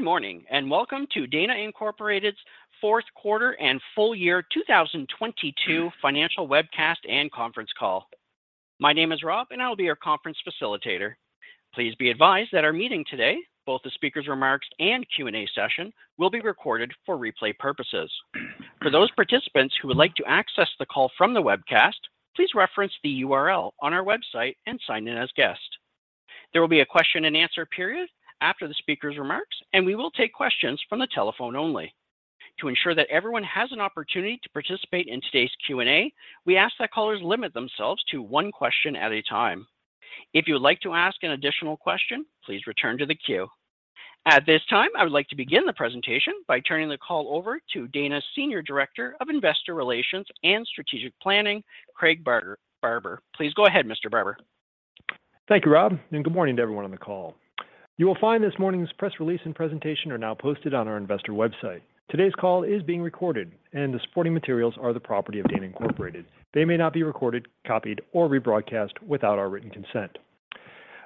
Good morning, and welcome to Dana Incorporated's Fourth Quarter and Full Year 2022 Financial Webcast and Conference Call. My name is Rob, and I'll be your conference facilitator. Please be advised that our meeting today, both the speaker's remarks and Q&A session, will be recorded for replay purposes. For those participants who would like to access the call from the webcast, please reference the URL on our website and sign in as guest. There will be a question-and-answer period after the speaker's remarks, and we will take questions from the telephone only. To ensure that everyone has an opportunity to participate in today's Q&A, we ask that callers limit themselves to one question at a time. If you would like to ask an additional question, please return to the queue. At this time, I would like to begin the presentation by turning the call over to Dana's Senior Director of Investor Relations and Strategic Planning, Craig Barber. Please go ahead, Mr. Barber. Thank you, Rob, and good morning to everyone on the call. You will find this morning's press release and presentation are now posted on our investor website. Today's call is being recorded and the supporting materials are the property of Dana Incorporated. They may not be recorded, copied, or rebroadcast without our written consent.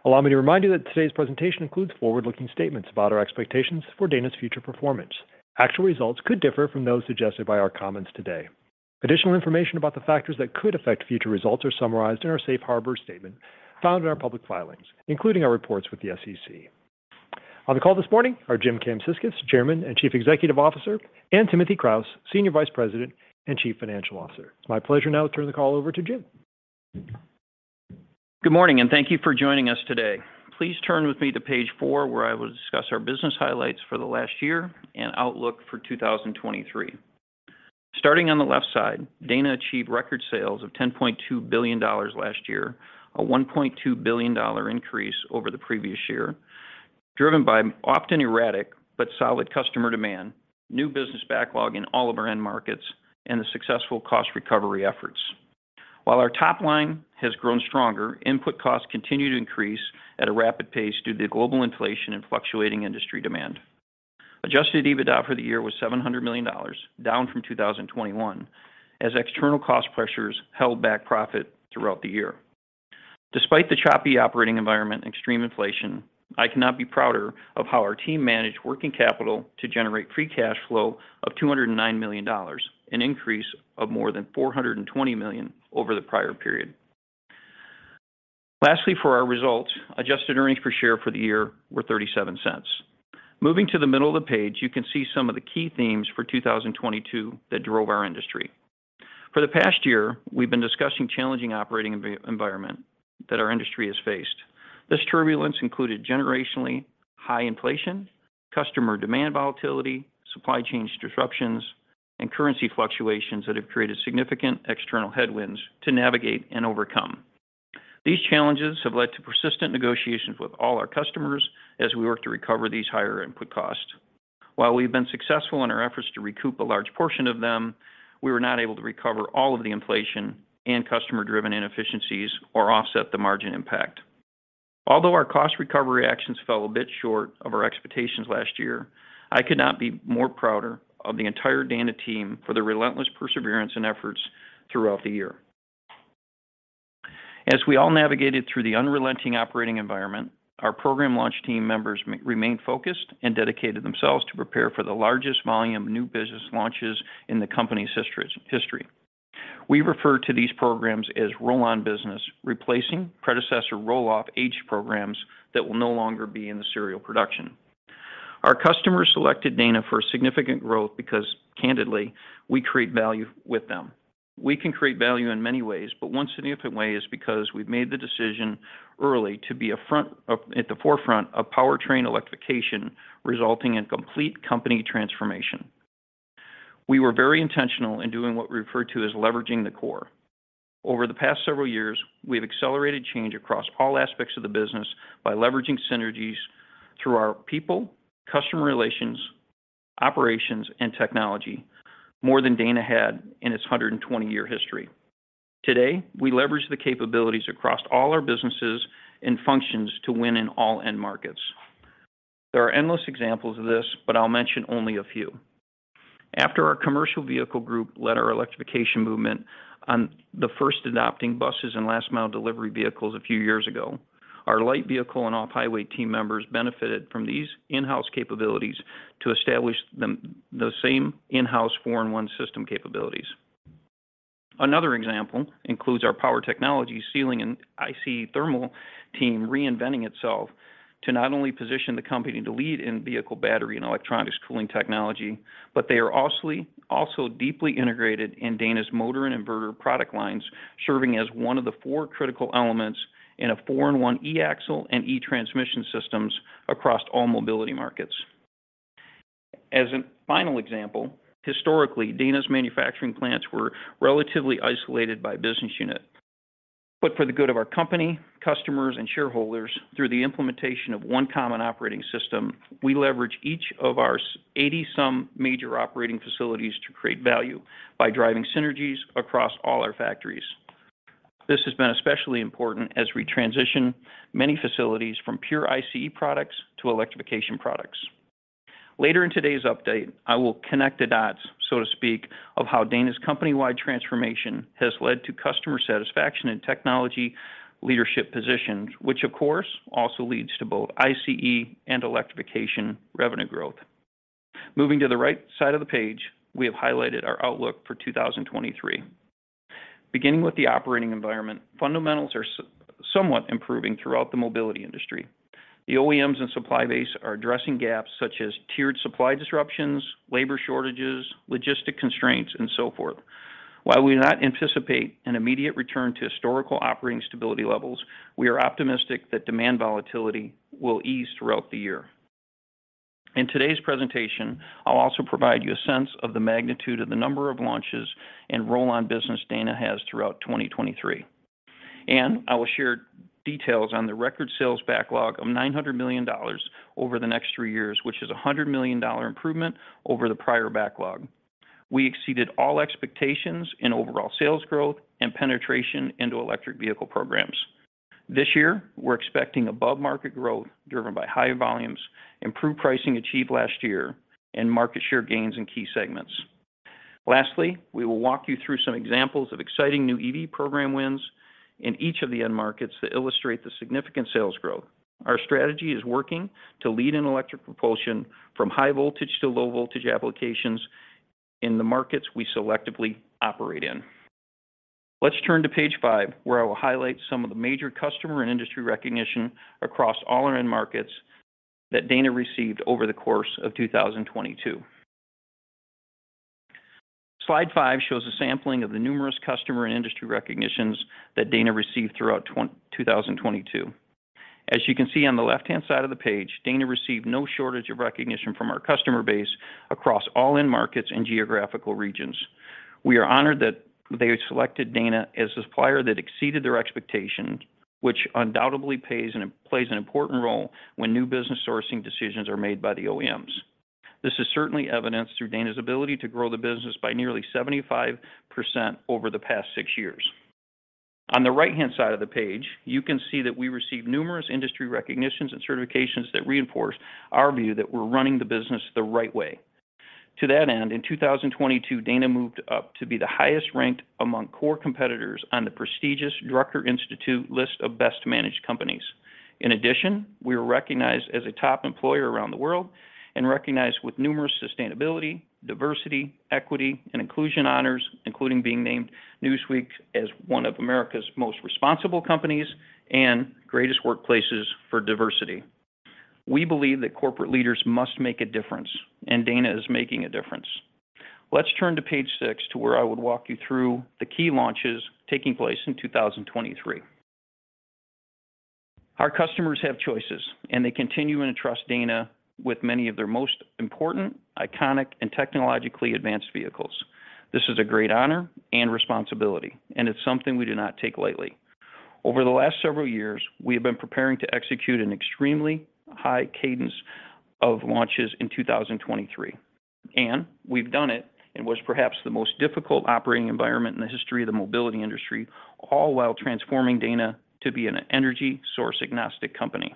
Allow me to remind you that today's presentation includes forward-looking statements about our expectations for Dana's future performance. Actual results could differ from those suggested by our comments today. Additional information about the factors that could affect future results are summarized in our safe harbor statement found in our public filings, including our reports with the SEC. On the call this morning are Jim Kamsickas, Chairman and Chief Executive Officer, and Timothy Kraus, Senior Vice President and Chief Financial Officer. It's my pleasure now to turn the call over to Jim. Good morning, thank you for joining us today. Please turn with me to page four, where I will discuss our business highlights for the last year and outlook for 2023. Starting on the left side, Dana achieved record sales of $10.2 billion last year, a $1.2 billion increase over the previous year, driven by often erratic but solid customer demand, new business backlog in all of our end markets, and the successful cost recovery efforts. While our top line has grown stronger, input costs continue to increase at a rapid pace due to global inflation and fluctuating industry demand. Adjusted EBITDA for the year was $700 million, down from 2021, as external cost pressures held back profit throughout the year. Despite the choppy operating environment and extreme inflation, I cannot be prouder of how our team managed working capital to generate free cash flow of $209 million, an increase of more than $420 million over the prior period. For our results, adjusted earnings per share for the year were $0.37. Moving to the middle of the page, you can see some of the key themes for 2022 that drove our industry. For the past year, we've been discussing challenging operating environment that our industry has faced. This turbulence included generationally high inflation, customer demand volatility, supply chains disruptions, and currency fluctuations that have created significant external headwinds to navigate and overcome. These challenges have led to persistent negotiations with all our customers as we work to recover these higher input costs. While we've been successful in our efforts to recoup a large portion of them, we were not able to recover all of the inflation and customer-driven inefficiencies or offset the margin impact. Although our cost recovery actions fell a bit short of our expectations last year, I could not be more prouder of the entire Dana team for their relentless perseverance and efforts throughout the year. As we all navigated through the unrelenting operating environment, our program launch team members remained focused and dedicated themselves to prepare for the largest volume of new business launches in the company's history. We refer to these programs as roll-on business, replacing predecessor roll-off H programs that will no longer be in the serial production. Our customers selected Dana for significant growth because candidly, we create value with them. We can create value in many ways, but one significant way is because we've made the decision early to be at the forefront of powertrain electrification, resulting in complete company transformation. We were very intentional in doing what we refer to as leveraging the core. Over the past several years, we have accelerated change across all aspects of the business by leveraging synergies through our people, customer relations, operations, and technology more than Dana had in its 120-year history. Today, we leverage the capabilities across all our businesses and functions to win in all end markets. There are endless examples of this, but I'll mention only a few. After our commercial vehicle group led our electrification movement on the first adopting buses and last mile delivery vehicles a few years ago, our light vehicle and off highway team members benefited from these in-house capabilities to establish the same in-house four-in-one system capabilities. Another example includes our Power Technologies sealing and ICE thermal team reinventing itself to not only position the company to lead in vehicle battery and electronics cooling technology, but they are also deeply integrated in Dana's motor and inverter product lines, serving as one of the four critical elements in a 4-in-1 e-Axle and e-Transmission systems across all mobility markets. As a final example, historically, Dana's manufacturing plants were relatively isolated by business unit. For the good of our company, customers, and shareholders through the implementation of one common operating system, we leverage each of our 80 some major operating facilities to create value by driving synergies across all our factories. This has been especially important as we transition many facilities from pure ICE products to electrification products. Later in today's update, I will connect the dots, so to speak, of how Dana's company-wide transformation has led to customer satisfaction and technology leadership positions, which of course also leads to both ICE and electrification revenue growth. Moving to the right side of the page, we have highlighted our outlook for 2023. Beginning with the operating environment, fundamentals are somewhat improving throughout the mobility industry. The OEMs and supply base are addressing gaps such as tiered supply disruptions, labor shortages, logistic constraints, and so forth. While we do not anticipate an immediate return to historical operating stability levels, we are optimistic that demand volatility will ease throughout the year. In today's presentation, I'll also provide you a sense of the magnitude of the number of launches and roll-on business Dana has throughout 2023. I will share details on the record sales backlog of $900 million over the next three years, which is a $100 million improvement over the prior backlog. We exceeded all expectations in overall sales growth and penetration into electric vehicle programs. This year, we're expecting above-market growth driven by higher volumes, improved pricing achieved last year, and market share gains in key segments. Lastly, we will walk you through some examples of exciting new EV program wins in each of the end markets that illustrate the significant sales growth. Our strategy is working to lead in electric propulsion from high voltage to low voltage applications in the markets we selectively operate in. Let's turn to page five, where I will highlight some of the major customer and industry recognition across all our end markets that Dana received over the course of 2022. Slide five shows a sampling of the numerous customer and industry recognitions that Dana received throughout 2022. As you can see on the left-hand side of the page, Dana received no shortage of recognition from our customer base across all end markets and geographical regions. We are honored that they selected Dana as a supplier that exceeded their expectations, which undoubtedly plays an important role when new business sourcing decisions are made by the OEMs. This is certainly evidenced through Dana's ability to grow the business by nearly 75% over the past six years. On the right-hand side of the page, you can see that we received numerous industry recognitions and certifications that reinforce our view that we're running the business the right way. To that end, in 2022, Dana moved up to be the highest ranked among core competitors on the prestigious Drucker Institute list of best managed companies. In addition, we were recognized as a top employer around the world and recognized with numerous sustainability, diversity, equity, and inclusion honors, including being named Newsweek as one of America's most responsible companies and greatest workplaces for diversity. We believe that corporate leaders must make a difference, and Dana is making a difference. Let's turn to page six to where I would walk you through the key launches taking place in 2023. Our customers have choices, they continue to trust Dana with many of their most important, iconic, and technologically advanced vehicles. This is a great honor and responsibility, it's something we do not take lightly. Over the last several years, we have been preparing to execute an extremely high cadence of launches in 2023, we've done it in what is perhaps the most difficult operating environment in the history of the mobility industry, all while transforming Dana to be an energy source agnostic company.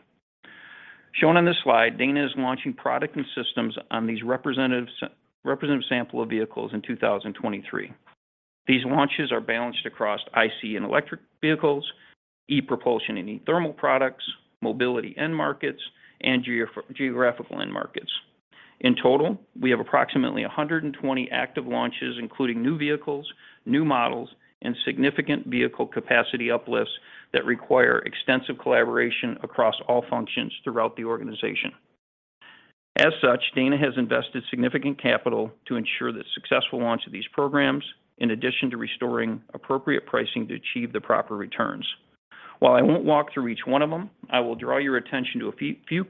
Shown on this slide, Dana is launching product and systems on these representative sample of vehicles in 2023. These launches are balanced across IC and electric vehicles, e-Propulsion and e-Thermal products, mobility end markets, and geographical end markets. In total, we have approximately 120 active launches, including new vehicles, new models, and significant vehicle capacity uplifts that require extensive collaboration across all functions throughout the organization. Dana has invested significant capital to ensure the successful launch of these programs in addition to restoring appropriate pricing to achieve the proper returns. While I won't walk through each one of them, I will draw your attention to a few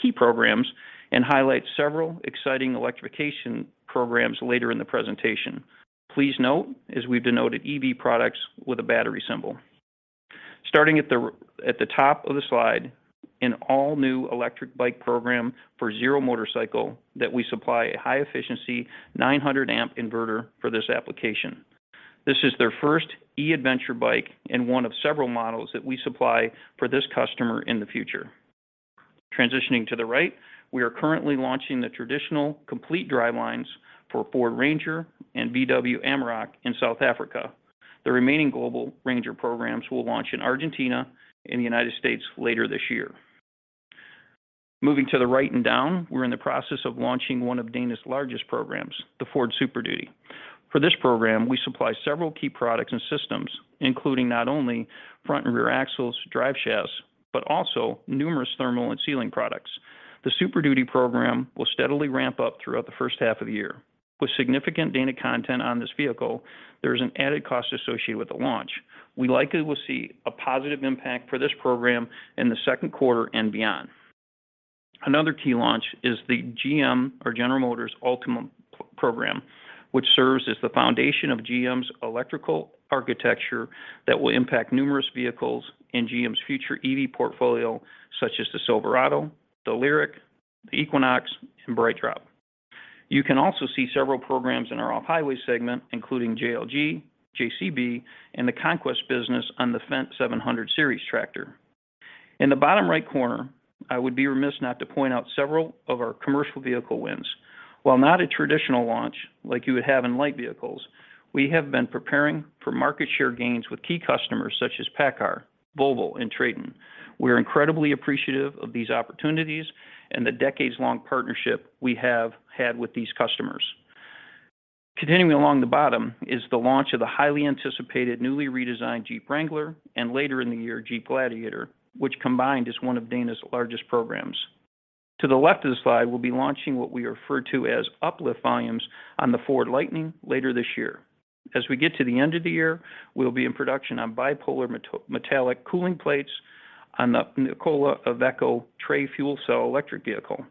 key programs and highlight several exciting electrification programs later in the presentation. Please note, as we've denoted EV products with a battery symbol. Starting at the top of the slide, an all-new electric bike program for Zero Motorcycles that we supply a high efficiency 900 amp inverter for this application. This is their first e-adventure bike and one of several models that we supply for this customer in the future. Transitioning to the right, we are currently launching the traditional complete drivelines for Ford Ranger and VW Amarok in South Africa. The remaining global Ranger programs will launch in Argentina and the United States later this year. Moving to the right and down, we're in the process of launching one of Dana's largest programs, the Ford Super Duty. For this program, we supply several key products and systems, including not only front and rear axles, drive shafts, but also numerous thermal and sealing products. The Super Duty program will steadily ramp up throughout the first half of the year. With significant Dana content on this vehicle, there is an added cost associated with the launch. We likely will see a positive impact for this program in the second quarter and beyond. Another key launch is the GM or General Motors Ultium program, which serves as the foundation of GM's electrical architecture that will impact numerous vehicles in GM's future EV portfolio, such as the Silverado, the Lyriq, the Equinox, and BrightDrop. You can also see several programs in our off-highway segment, including JLG, JCB, and the Conquest business on the Fendt 700 series tractor. In the bottom right corner, I would be remiss not to point out several of our commercial vehicle wins. While not a traditional launch like you would have in light vehicles, we have been preparing for market share gains with key customers such as PACCAR, Volvo, and Traton. We're incredibly appreciative of these opportunities and the decades-long partnership we have had with these customers. Continuing along the bottom is the launch of the highly anticipated newly redesigned Jeep Wrangler and later in the year, Jeep Gladiator, which combined is one of Dana's largest programs. To the left of the slide, we'll be launching what we refer to as uplift volumes on the Ford Lightning later this year. As we get to the end of the year, we'll be in production on bipolar metallic cooling plates on the Nikola Tre fuel cell electric vehicle.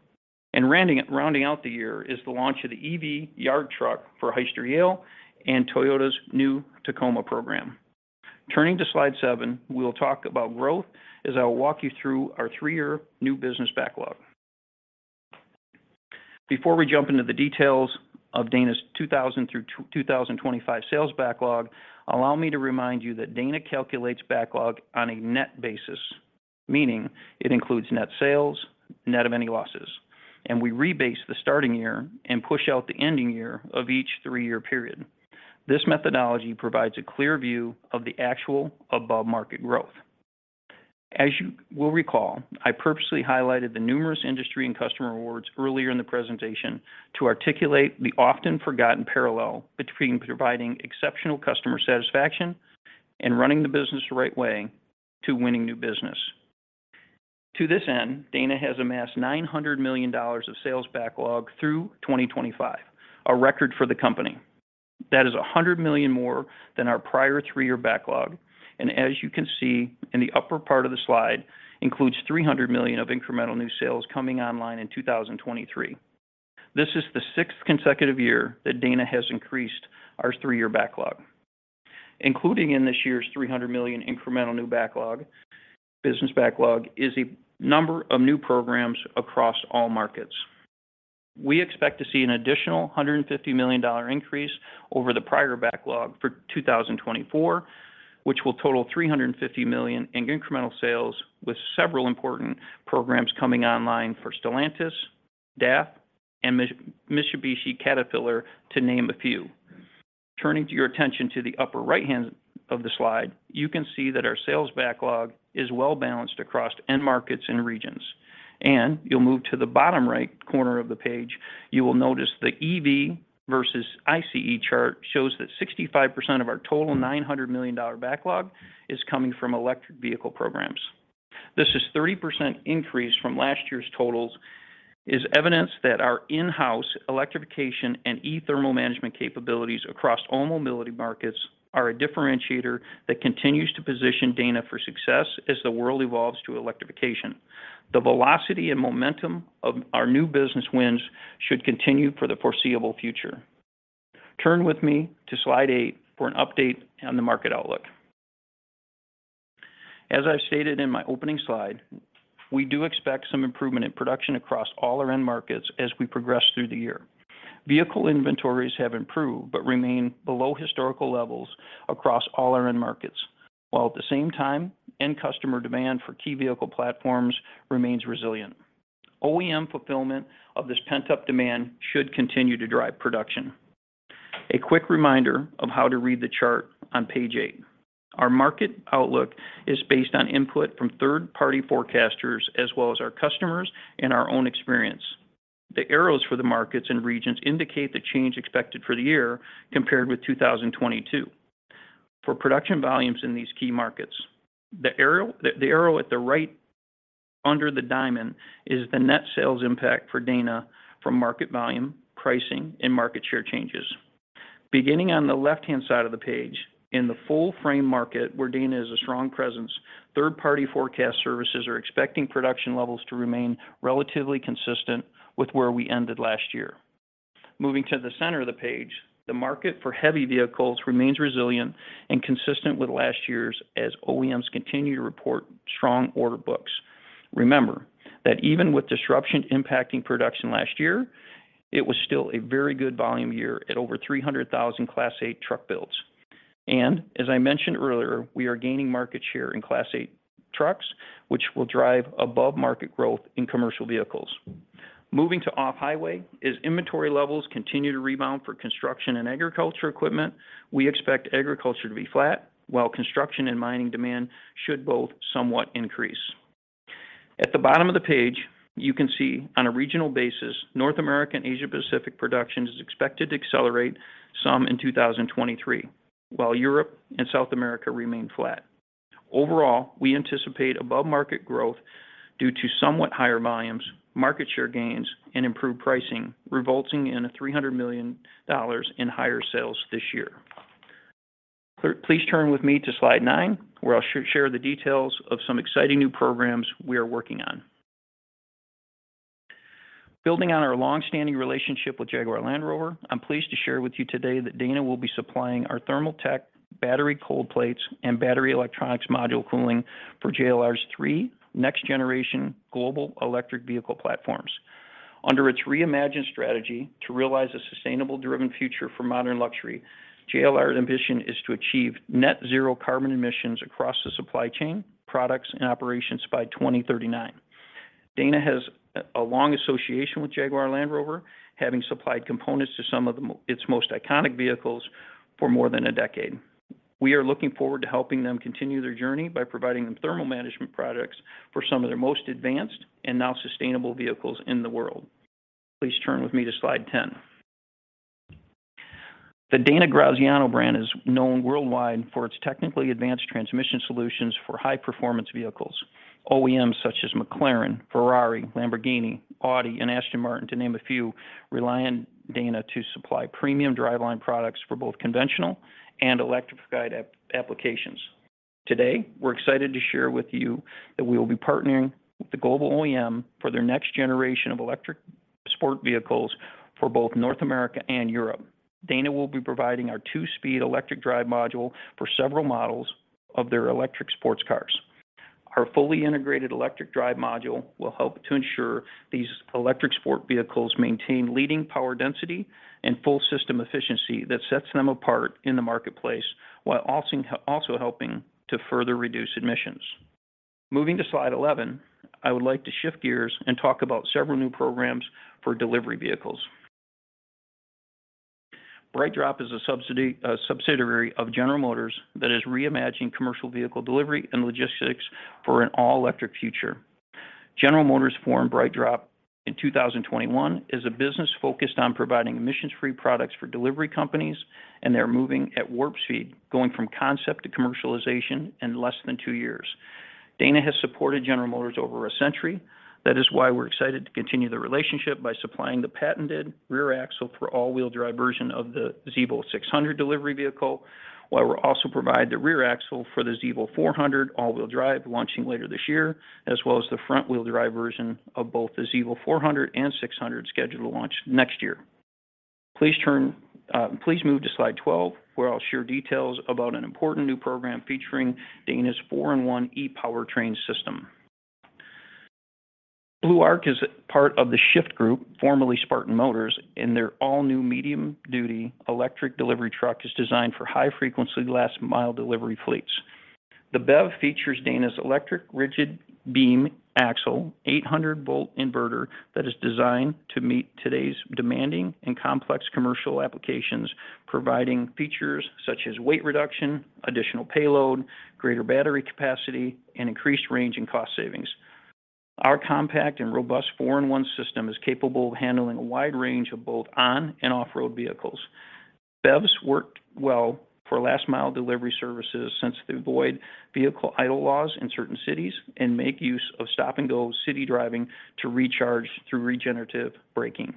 Rounding out the year is the launch of the EV yard truck for Hyster-Yale and Toyota's new Tacoma program. Turning to slide seven, we'll talk about growth as I'll walk you through our three-year new business backlog. Before we jump into the details of Dana's 2000 through 2025 sales backlog, allow me to remind you that Dana calculates backlog on a net basis, meaning it includes net sales, net of any losses, and we rebase the starting year and push out the ending year of each three-year period. This methodology provides a clear view of the actual above-market growth. As you will recall, I purposely highlighted the numerous industry and customer awards earlier in the presentation to articulate the often forgotten parallel between providing exceptional customer satisfaction and running the business the right way to winning new business. To this end, Dana has amassed $900 million of sales backlog through 2025, a record for the company. That is $100 million more than our prior three-year backlog, and as you can see in the upper part of the slide, includes $300 million of incremental new sales coming online in 2023. This is the sixth consecutive year that Dana has increased our three-year backlog. Including in this year's $300 million incremental new backlog, business backlog is a number of new programs across all markets. We expect to see an additional $150 million increase over the prior backlog for 2024, which will total $350 million in incremental sales with several important programs coming online for Stellantis, DAF, and Mitsubishi Caterpillar, to name a few. Turning your attention to the upper right-hand of the slide, you can see that our sales backlog is well-balanced across end markets and regions. You'll move to the bottom right corner of the page, you will notice the EV versus ICE chart shows that 65% of our total $900 million backlog is coming from electric vehicle programs. This is 30% increase from last year's totals is evidence that our in-house electrification and e-Thermal management capabilities across all mobility markets are a differentiator that continues to position Dana for success as the world evolves to electrification. The velocity and momentum of our new business wins should continue for the foreseeable future. Turn with me to slide eight for an update on the market outlook. As I've stated in my opening slide, we do expect some improvement in production across all our end markets as we progress through the year. Vehicle inventories have improved but remain below historical levels across all our end markets, while at the same time, end customer demand for key vehicle platforms remains resilient. OEM fulfillment of this pent-up demand should continue to drive production. A quick reminder of how to read the chart on page eight. Our market outlook is based on input from third-party forecasters as well as our customers and our own experience. The arrows for the markets and regions indicate the change expected for the year compared with 2022. For production volumes in these key markets, the arrow at the right under the diamond is the net sales impact for Dana from market volume, pricing, and market share changes. Beginning on the left-hand side of the page, in the body-on-frame market where Dana is a strong presence, third-party forecast services are expecting production levels to remain relatively consistent with where we ended last year. Moving to the center of the page, the market for heavy vehicles remains resilient and consistent with last year's as OEMs continue to report strong order books. Remember that even with disruption impacting production last year, it was still a very good volume year at over 300,000 Class 8 truck builds. As I mentioned earlier, we are gaining market share in Class 8 trucks, which will drive above-market growth in commercial vehicles. Moving to off-highway, as inventory levels continue to rebound for construction and agriculture equipment, we expect agriculture to be flat, while construction and mining demand should both somewhat increase. At the bottom of the page, you can see on a regional basis, North American Asia Pacific production is expected to accelerate some in 2023, while Europe and South America remain flat. Overall, we anticipate above-market growth due to somewhat higher volumes, market share gains, and improved pricing, resulting in a $300 million in higher sales this year. Please turn with me to slide nine, where I'll share the details of some exciting new programs we are working on. Building on our long-standing relationship with Jaguar Land Rover, I'm pleased to share with you today that Dana will be supplying our thermal tech battery cold plates and battery electronics module cooling for JLR's three next-generation global electric vehicle platforms. Under its reimagined strategy to realize a sustainable driven future for modern luxury, JLR ambition is to achieve net zero carbon emissions across the supply chain, products, and operations by 2039. Dana has a long association with Jaguar Land Rover, having supplied components to some of its most iconic vehicles for more than a decade. We are looking forward to helping them continue their journey by providing them thermal management products for some of their most advanced and now sustainable vehicles in the world. Please turn with me to slide 10. The Dana Graziano brand is known worldwide for its technically advanced transmission solutions for high performance vehicles. OEMs such as McLaren, Ferrari, Lamborghini, Audi, and Aston Martin, to name a few, rely on Dana to supply premium driveline products for both conventional and electrified applications. Today, we're excited to share with you that we will be partnering with the global OEM for their next generation of electric sport vehicles for both North America and Europe. Dana will be providing our two-speed electric drive module for several models of their electric sports cars. Our fully integrated electric drive module will help to ensure these electric sport vehicles maintain leading power density and full system efficiency that sets them apart in the marketplace, while also helping to further reduce emissions. Moving to slide 11, I would like to shift gears and talk about several new programs for delivery vehicles. BrightDrop is a subsidiary of General Motors that is reimagining commercial vehicle delivery and logistics for an all-electric future. General Motors formed BrightDrop in 2021 as a business focused on providing emissions-free products for delivery companies. They're moving at warp speed, going from concept to commercialization in less than two years. Dana has supported General Motors over a century. That is why we're excited to continue the relationship by supplying the patented rear axle for all-wheel drive version of the Zevo 600 delivery vehicle, while we'll also provide the rear axle for the Zevo 400 all-wheel drive launching later this year, as well as the front wheel drive version of both the Zevo 400 and 600 scheduled to launch next year. Please turn. Please move to slide 12, where I'll share details about an important new program featuring Dana's four-in-one e-powertrain system. Blue Arc is part of The Shyft Group, formerly Spartan Motors, and their all-new medium-duty electric delivery truck is designed for high-frequency, last-mile delivery fleets. The BEV features Dana's electric rigid beam axle, 800-volt inverter that is designed to meet today's demanding and complex commercial applications, providing features such as weight reduction, additional payload, greater battery capacity, and increased range and cost savings. Our compact and robust four-in-one system is capable of handling a wide range of both on and off-road vehicles. BEVs work well for last-mile delivery services since they avoid vehicle idle laws in certain cities and make use of stop-and-go city driving to recharge through regenerative braking.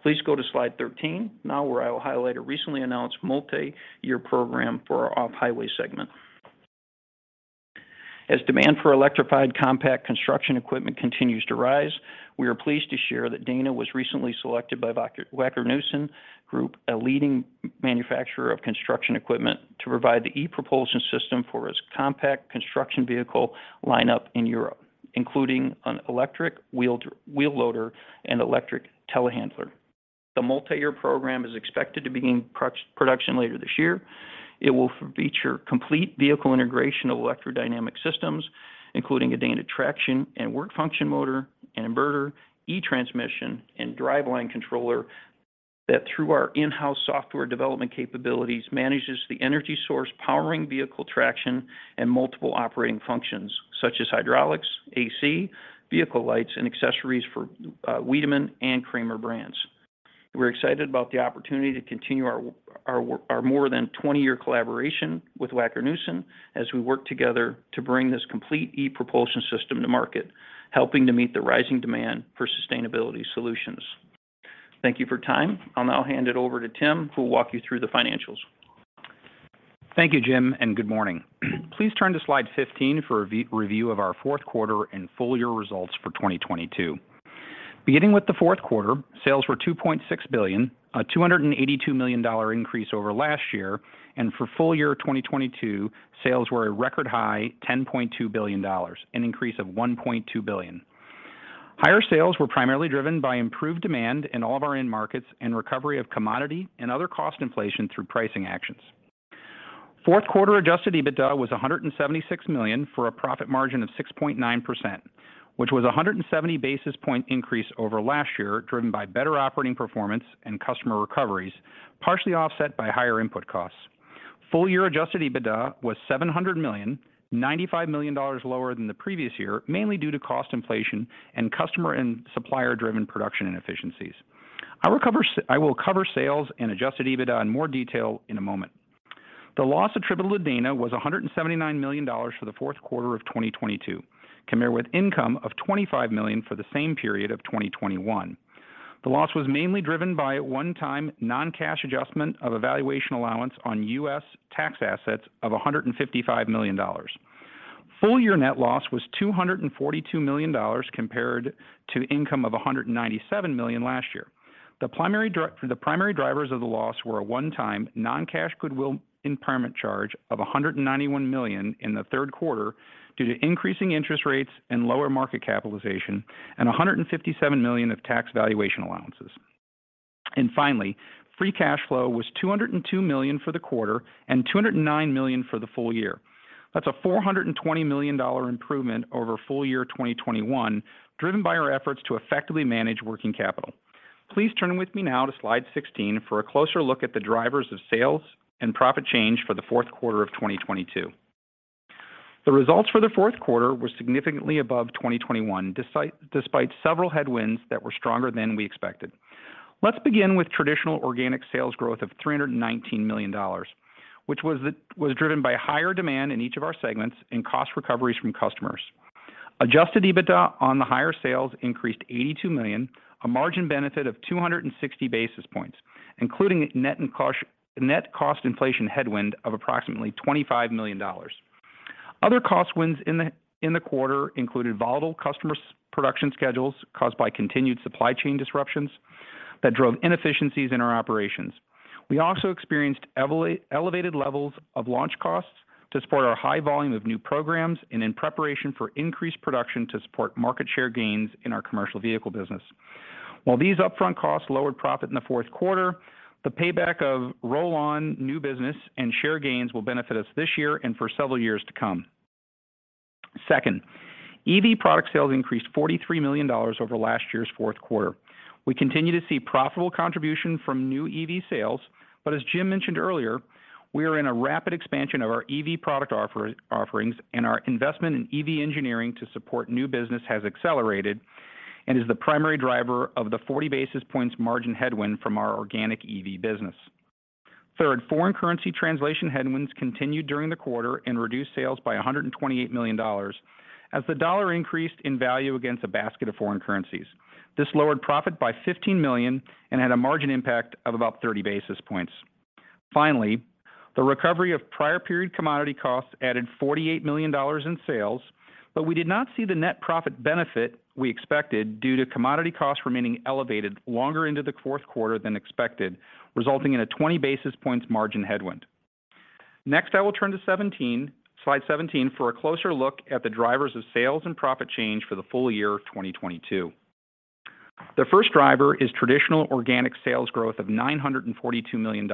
Please go to slide 13 now, where I will highlight a recently announced multi-year program for our off-highway segment. As demand for electrified compact construction equipment continues to rise, we are pleased to share that Dana was recently selected by Wacker Neuson Group, a leading manufacturer of construction equipment, to provide the e-propulsion system for its compact construction vehicle lineup in Europe, including an electric wheel loader and electric telehandler. The multi-year program is expected to begin production later this year. It will feature complete vehicle integration of electrodynamic systems, including a Dana traction and work function motor, an inverter, e-Transmission, and driveline controller that, through our in-house software development capabilities, manages the energy source powering vehicle traction and multiple operating functions such as hydraulics, AC, vehicle lights, and accessories for Weidemann and Kramer brands. We're excited about the opportunity to continue our more than 20-year collaboration with Wacker Neuson as we work together to bring this complete e-Propulsion system to market, helping to meet the rising demand for sustainability solutions. Thank you for time. I'll now hand it over to Tim, who will walk you through the financials. Thank you, Jim. Good morning. Please turn to slide 15 for a review of our fourth quarter and full year results for 2022. Beginning with the fourth quarter, sales were $2.6 billion, a $282 million increase over last year. For full year 2022, sales were a record high $10.2 billion, an increase of $1.2 billion. Higher sales were primarily driven by improved demand in all of our end markets and recovery of commodity and other cost inflation through pricing actions. Fourth quarter Adjusted EBITDA was $176 million for a profit margin of 6.9%, which was a 170 basis point increase over last year, driven by better operating performance and customer recoveries, partially offset by higher input costs. Full year Adjusted EBITDA was $700 million, $95 million lower than the previous year, mainly due to cost inflation and customer and supplier-driven production inefficiencies. I will cover sales and Adjusted EBITDA in more detail in a moment. The loss attributable to Dana was $179 million for the fourth quarter of 2022, compared with income of $25 million for the same period of 2021. The loss was mainly driven by a one-time non-cash adjustment of a valuation allowance on U.S. tax assets of $155 million. Full year net loss was $242 million compared to income of $197 million last year. The primary drivers of the loss were a one-time non-cash goodwill impairment charge of $191 million in the third quarter due to increasing interest rates and lower market capitalization and $157 million of tax valuation allowances. Finally, free cash flow was $202 million for the quarter and $209 million for the full year. That's a $420 million improvement over full year 2021, driven by our efforts to effectively manage working capital. Please turn with me now to slide 16 for a closer look at the drivers of sales and profit change for the fourth quarter of 2022. The results for the fourth quarter were significantly above 2021 despite several headwinds that were stronger than we expected. Let's begin with traditional organic sales growth of $319 million, which was driven by higher demand in each of our segments and cost recoveries from customers. Adjusted EBITDA on the higher sales increased $82 million, a margin benefit of 260 basis points, including net cost inflation headwind of approximately $25 million. Other cost wins in the quarter included volatile customer production schedules caused by continued supply chain disruptions that drove inefficiencies in our operations. We also experienced elevated levels of launch costs to support our high volume of new programs and in preparation for increased production to support market share gains in our commercial vehicle business. While these upfront costs lowered profit in the fourth quarter, the payback of roll-on new business and share gains will benefit us this year and for several years to come. EV product sales increased $43 million over last year's fourth quarter. We continue to see profitable contribution from new EV sales, but as Jim mentioned earlier, we are in a rapid expansion of our EV product offerings, and our investment in EV engineering to support new business has accelerated and is the primary driver of the 40 basis points margin headwind from our organic EV business. Foreign currency translation headwinds continued during the quarter and reduced sales by $128 million as the dollar increased in value against a basket of foreign currencies. This lowered profit by $15 million and had a margin impact of about 30 basis points. The recovery of prior period commodity costs added $48 million in sales, but we did not see the net profit benefit we expected due to commodity costs remaining elevated longer into the fourth quarter than expected, resulting in a 20 basis points margin headwind. I will turn to slide 17 for a closer look at the drivers of sales and profit change for the full year of 2022. The first driver is traditional organic sales growth of $942 million,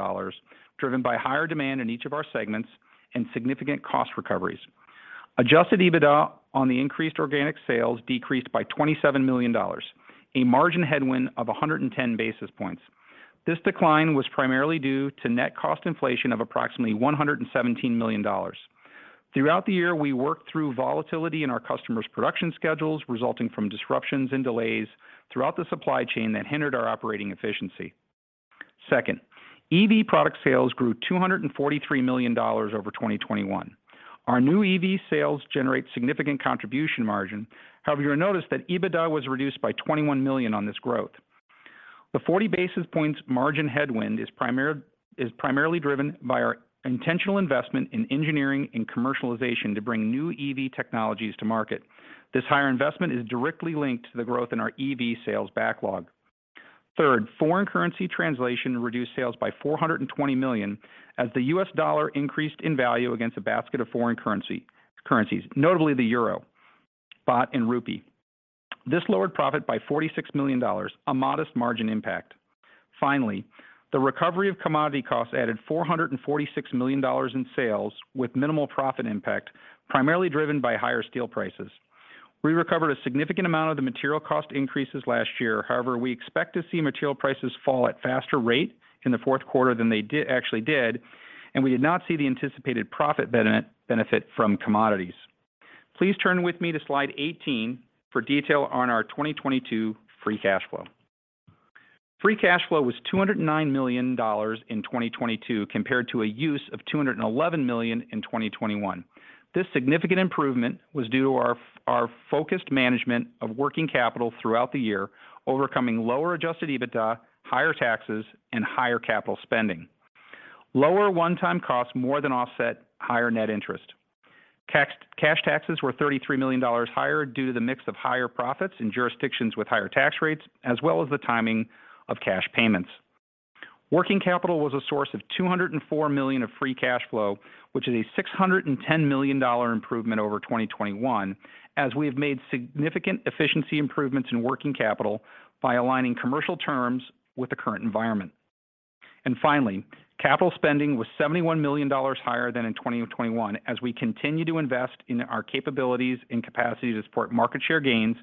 driven by higher demand in each of our segments and significant cost recoveries. Adjusted EBITDA on the increased organic sales decreased by $27 million, a margin headwind of 110 basis points. This decline was primarily due to net cost inflation of approximately $117 million. Throughout the year, we worked through volatility in our customers' production schedules, resulting from disruptions and delays throughout the supply chain that hindered our operating efficiency. EV product sales grew $243 million over 2021. Our new EV sales generate significant contribution margin. You'll notice that EBITDA was reduced by $21 million on this growth. The 40 basis points margin headwind is primarily driven by our intentional investment in engineering and commercialization to bring new EV technologies to market. This higher investment is directly linked to the growth in our EV sales backlog. Foreign currency translation reduced sales by $420 million as the U.S. dollar increased in value against a basket of foreign currencies, notably the euro, baht, and rupee. This lowered profit by $46 million, a modest margin impact. The recovery of commodity costs added $446 million in sales with minimal profit impact, primarily driven by higher steel prices. We recovered a significant amount of the material cost increases last year. We expect to see material prices fall at faster rate in the fourth quarter than they actually did, and we did not see the anticipated profit benefit from commodities. Please turn with me to slide 18 for detail on our 2022 free cash flow. Free cash flow was $209 million in 2022 compared to a use of $211 million in 2021. This significant improvement was due to our focused management of working capital throughout the year, overcoming lower Adjusted EBITDA, higher taxes, and higher capital spending. Lower one-time costs more than offset higher net interest. Cash taxes were $33 million higher due to the mix of higher profits in jurisdictions with higher tax rates, as well as the timing of cash payments. Working capital was a source of $204 million of free cash flow, which is a $610 million improvement over 2021, as we have made significant efficiency improvements in working capital by aligning commercial terms with the current environment. Finally, capital spending was $71 million higher than in 2021 as we continue to invest in our capabilities and capacity to support market share gains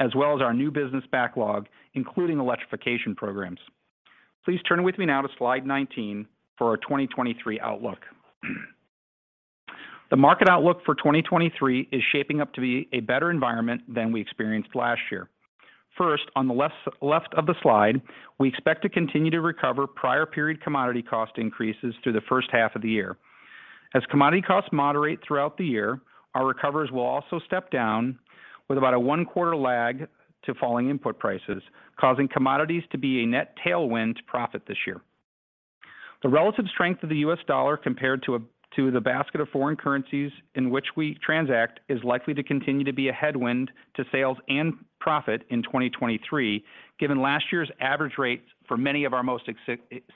as well as our new business backlog, including electrification programs. Please turn with me now to slide 19 for our 2023 outlook. The market outlook for 2023 is shaping up to be a better environment than we experienced last year. First, on the left of the slide, we expect to continue to recover prior period commodity cost increases through the first half of the year. As commodity costs moderate throughout the year, our recoveries will also step down with about a one-quarter lag to falling input prices, causing commodities to be a net tailwind to profit this year. The relative strength of the U.S. dollar compared to the basket of foreign currencies in which we transact is likely to continue to be a headwind to sales and profit in 2023, given last year's average rates for many of our most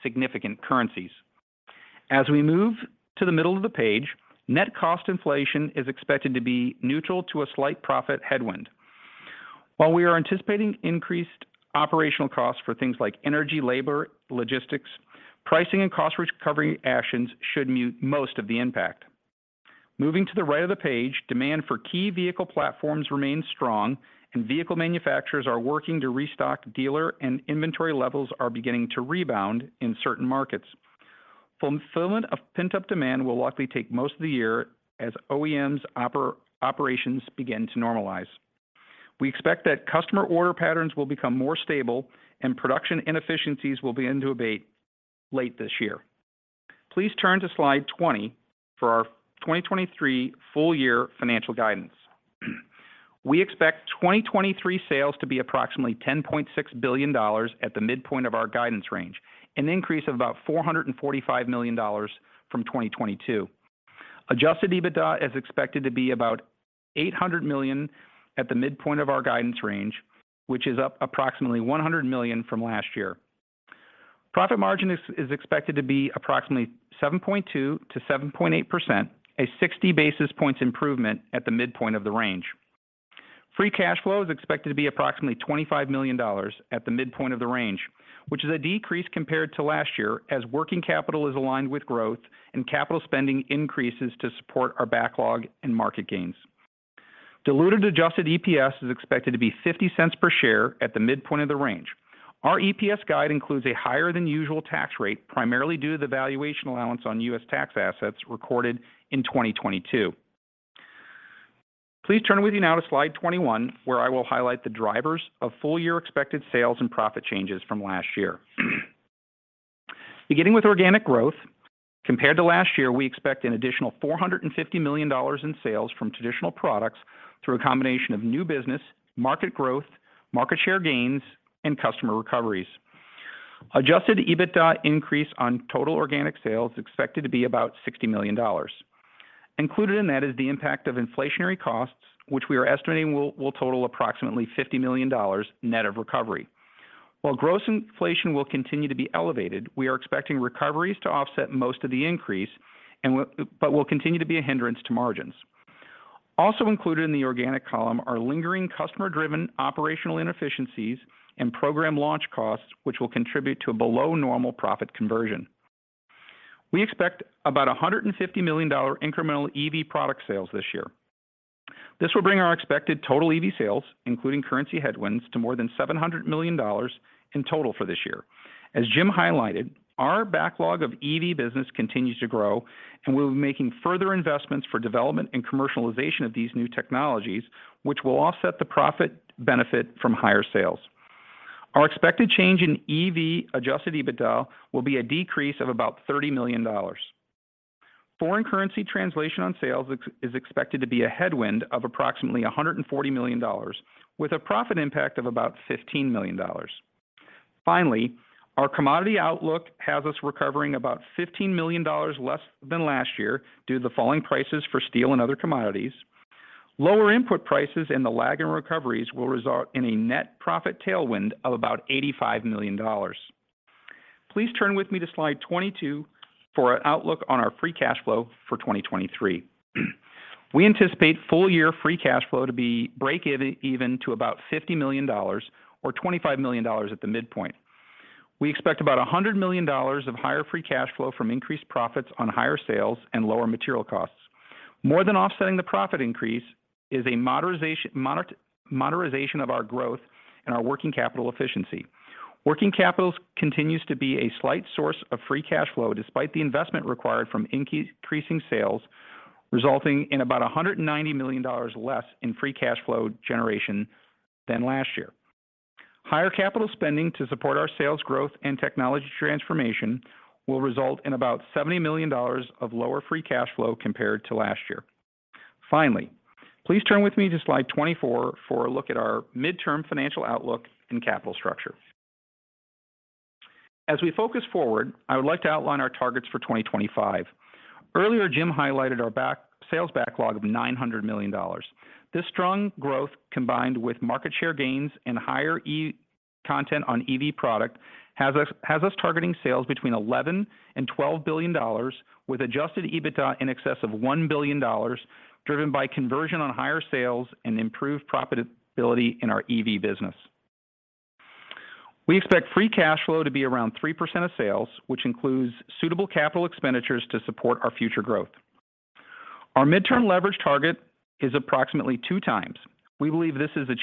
significant currencies. As we move to the middle of the page, net cost inflation is expected to be neutral to a slight profit headwind. While we are anticipating increased operational costs for things like energy, labor, logistics, pricing and cost recovery actions should mute most of the impact. Moving to the right of the page, demand for key vehicle platforms remains strong and vehicle manufacturers are working to restock dealer and inventory levels are beginning to rebound in certain markets. Fulfillment of pent-up demand will likely take most of the year as OEMs operations begin to normalize. We expect that customer order patterns will become more stable and production inefficiencies will begin to abate late this year. Please turn to slide 20 for our 2023 full year financial guidance. We expect 2023 sales to be approximately $10.6 billion at the midpoint of our guidance range, an increase of about $445 million from 2022. Adjusted EBITDA is expected to be about $800 million at the midpoint of our guidance range, which is up approximately $100 million from last year. Profit margin is expected to be approximately 7.2%-7.8%, a 60 basis points improvement at the midpoint of the range. Free cash flow is expected to be approximately $25 million at the midpoint of the range, which is a decrease compared to last year as working capital is aligned with growth and capital spending increases to support our backlog and market gains. Diluted adjusted EPS is expected to be $0.50 per share at the midpoint of the range. Our EPS guide includes a higher than usual tax rate, primarily due to the valuation allowance on U.S. tax assets recorded in 2022. Please turn with me now to slide 21, where I will highlight the drivers of full year expected sales and profit changes from last year. Beginning with organic growth, compared to last year, we expect an additional $450 million in sales from traditional products through a combination of new business, market growth, market share gains, and customer recoveries. Adjusted EBITDA increase on total organic sales expected to be about $60 million. Included in that is the impact of inflationary costs, which we are estimating will total approximately $50 million net of recovery. While gross inflation will continue to be elevated, we are expecting recoveries to offset most of the increase but will continue to be a hindrance to margins. Also included in the organic column are lingering customer-driven operational inefficiencies and program launch costs which will contribute to a below normal profit conversion. We expect about $150 million incremental EV product sales this year. This will bring our expected total EV sales, including currency headwinds, to more than $700 million in total for this year. As Jim highlighted, our backlog of EV business continues to grow and we'll be making further investments for development and commercialization of these new technologies, which will offset the profit benefit from higher sales. Our expected change in EV Adjusted EBITDA will be a decrease of about $30 million. Foreign currency translation on sales is expected to be a headwind of approximately $140 million with a profit impact of about $15 million. Finally, our commodity outlook has us recovering about $15 million less than last year due to the falling prices for steel and other commodities. Lower input prices and the lag in recoveries will result in a net profit tailwind of about $85 million. Please turn with me to slide 22 for an outlook on our free cash flow for 2023. We anticipate full year free cash flow to be break even to about $50 million or $25 million at the midpoint. We expect about $100 million of higher free cash flow from increased profits on higher sales and lower material costs. More than offsetting the profit increase is a moderation of our growth and our working capital efficiency. Working capitals continues to be a slight source of free cash flow despite the investment required from increasing sales, resulting in about $190 million less in free cash flow generation than last year. Higher capital spending to support our sales growth and technology transformation will result in about $70 million of lower free cash flow compared to last year. Finally, please turn with me to slide 24 for a look at our midterm financial outlook and capital structure. As we focus forward, I would like to outline our targets for 2025. Earlier, Jim highlighted our sales backlog of $900 million. This strong growth, combined with market share gains and higher e-content on EV product, has us targeting sales between $11 billion and $12 billion with Adjusted EBITDA in excess of $1 billion, driven by conversion on higher sales and improved profitability in our EV business. We expect free cash flow to be around 3% of sales, which includes suitable capital expenditures to support our future growth. Our midterm leverage target is approximately 2x. We believe this is an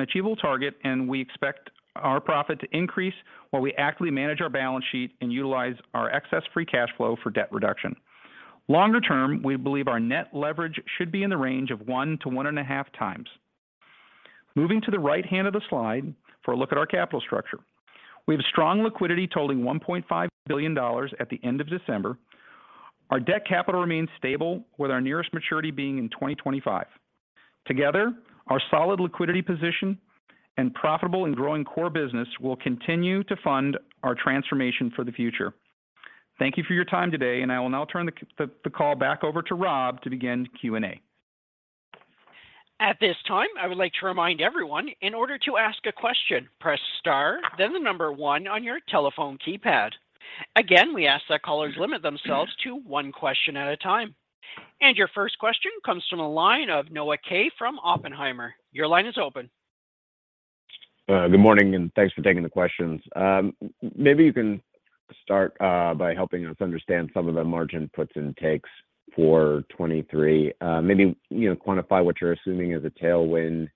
achievable target. We expect our profit to increase while we actively manage our balance sheet and utilize our excess free cash flow for debt reduction. Longer term, we believe our net leverage should be in the range of 1x to 1.5x. Moving to the right hand of the slide for a look at our capital structure. We have strong liquidity totaling $1.5 billion at the end of December. Our debt capital remains stable with our nearest maturity being in 2025. Together, our solid liquidity position and profitable and growing core business will continue to fund our transformation for the future. Thank you for your time today, and I will now turn the call back over to Rob to begin Q&A. At this time, I would like to remind everyone in order to ask a question, press star then the number one on your telephone keypad. Again, we ask that callers limit themselves to one question at a time. Your first question comes from the line of Noah Kaye from Oppenheimer. Your line is open. Good morning and thanks for taking the questions. Maybe you can start by helping us understand some of the margin puts and takes for 2023. Maybe, you know, quantify what you're assuming is a tailwind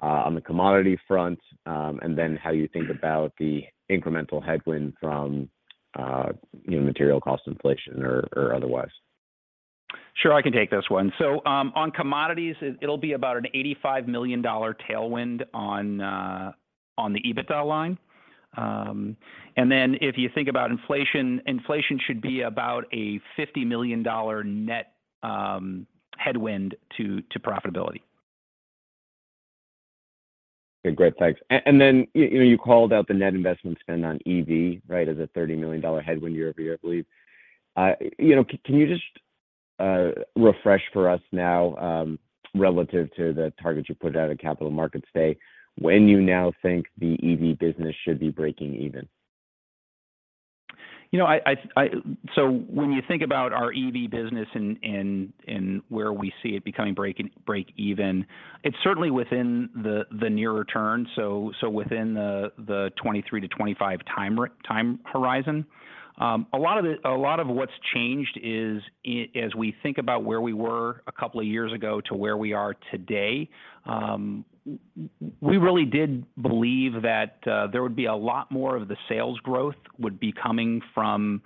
on the commodity front, and then how you think about the incremental headwind from, you know, material cost inflation or otherwise. Sure, I can take this one. On commodities it'll be about a $85 million tailwind on the EBITDA line. If you think about inflation should be about a $50 million net headwind to profitability. Okay. Great. Thanks. And then, you know, you called out the net investment spend on EV, right? As a $30 million headwind year over year, I believe. You know, can you just refresh for us now, relative to the targets you put out at capital markets day when you now think the EV business should be breaking even? You know, I, when you think about our EV business and where we see it becoming break even, it's certainly within the nearer term, within the 2023 to 2025 time horizon. A lot of what's changed is as we think about where we were a couple of years ago to where we are today, we really did believe that there would be a lot more of the sales growth would be coming from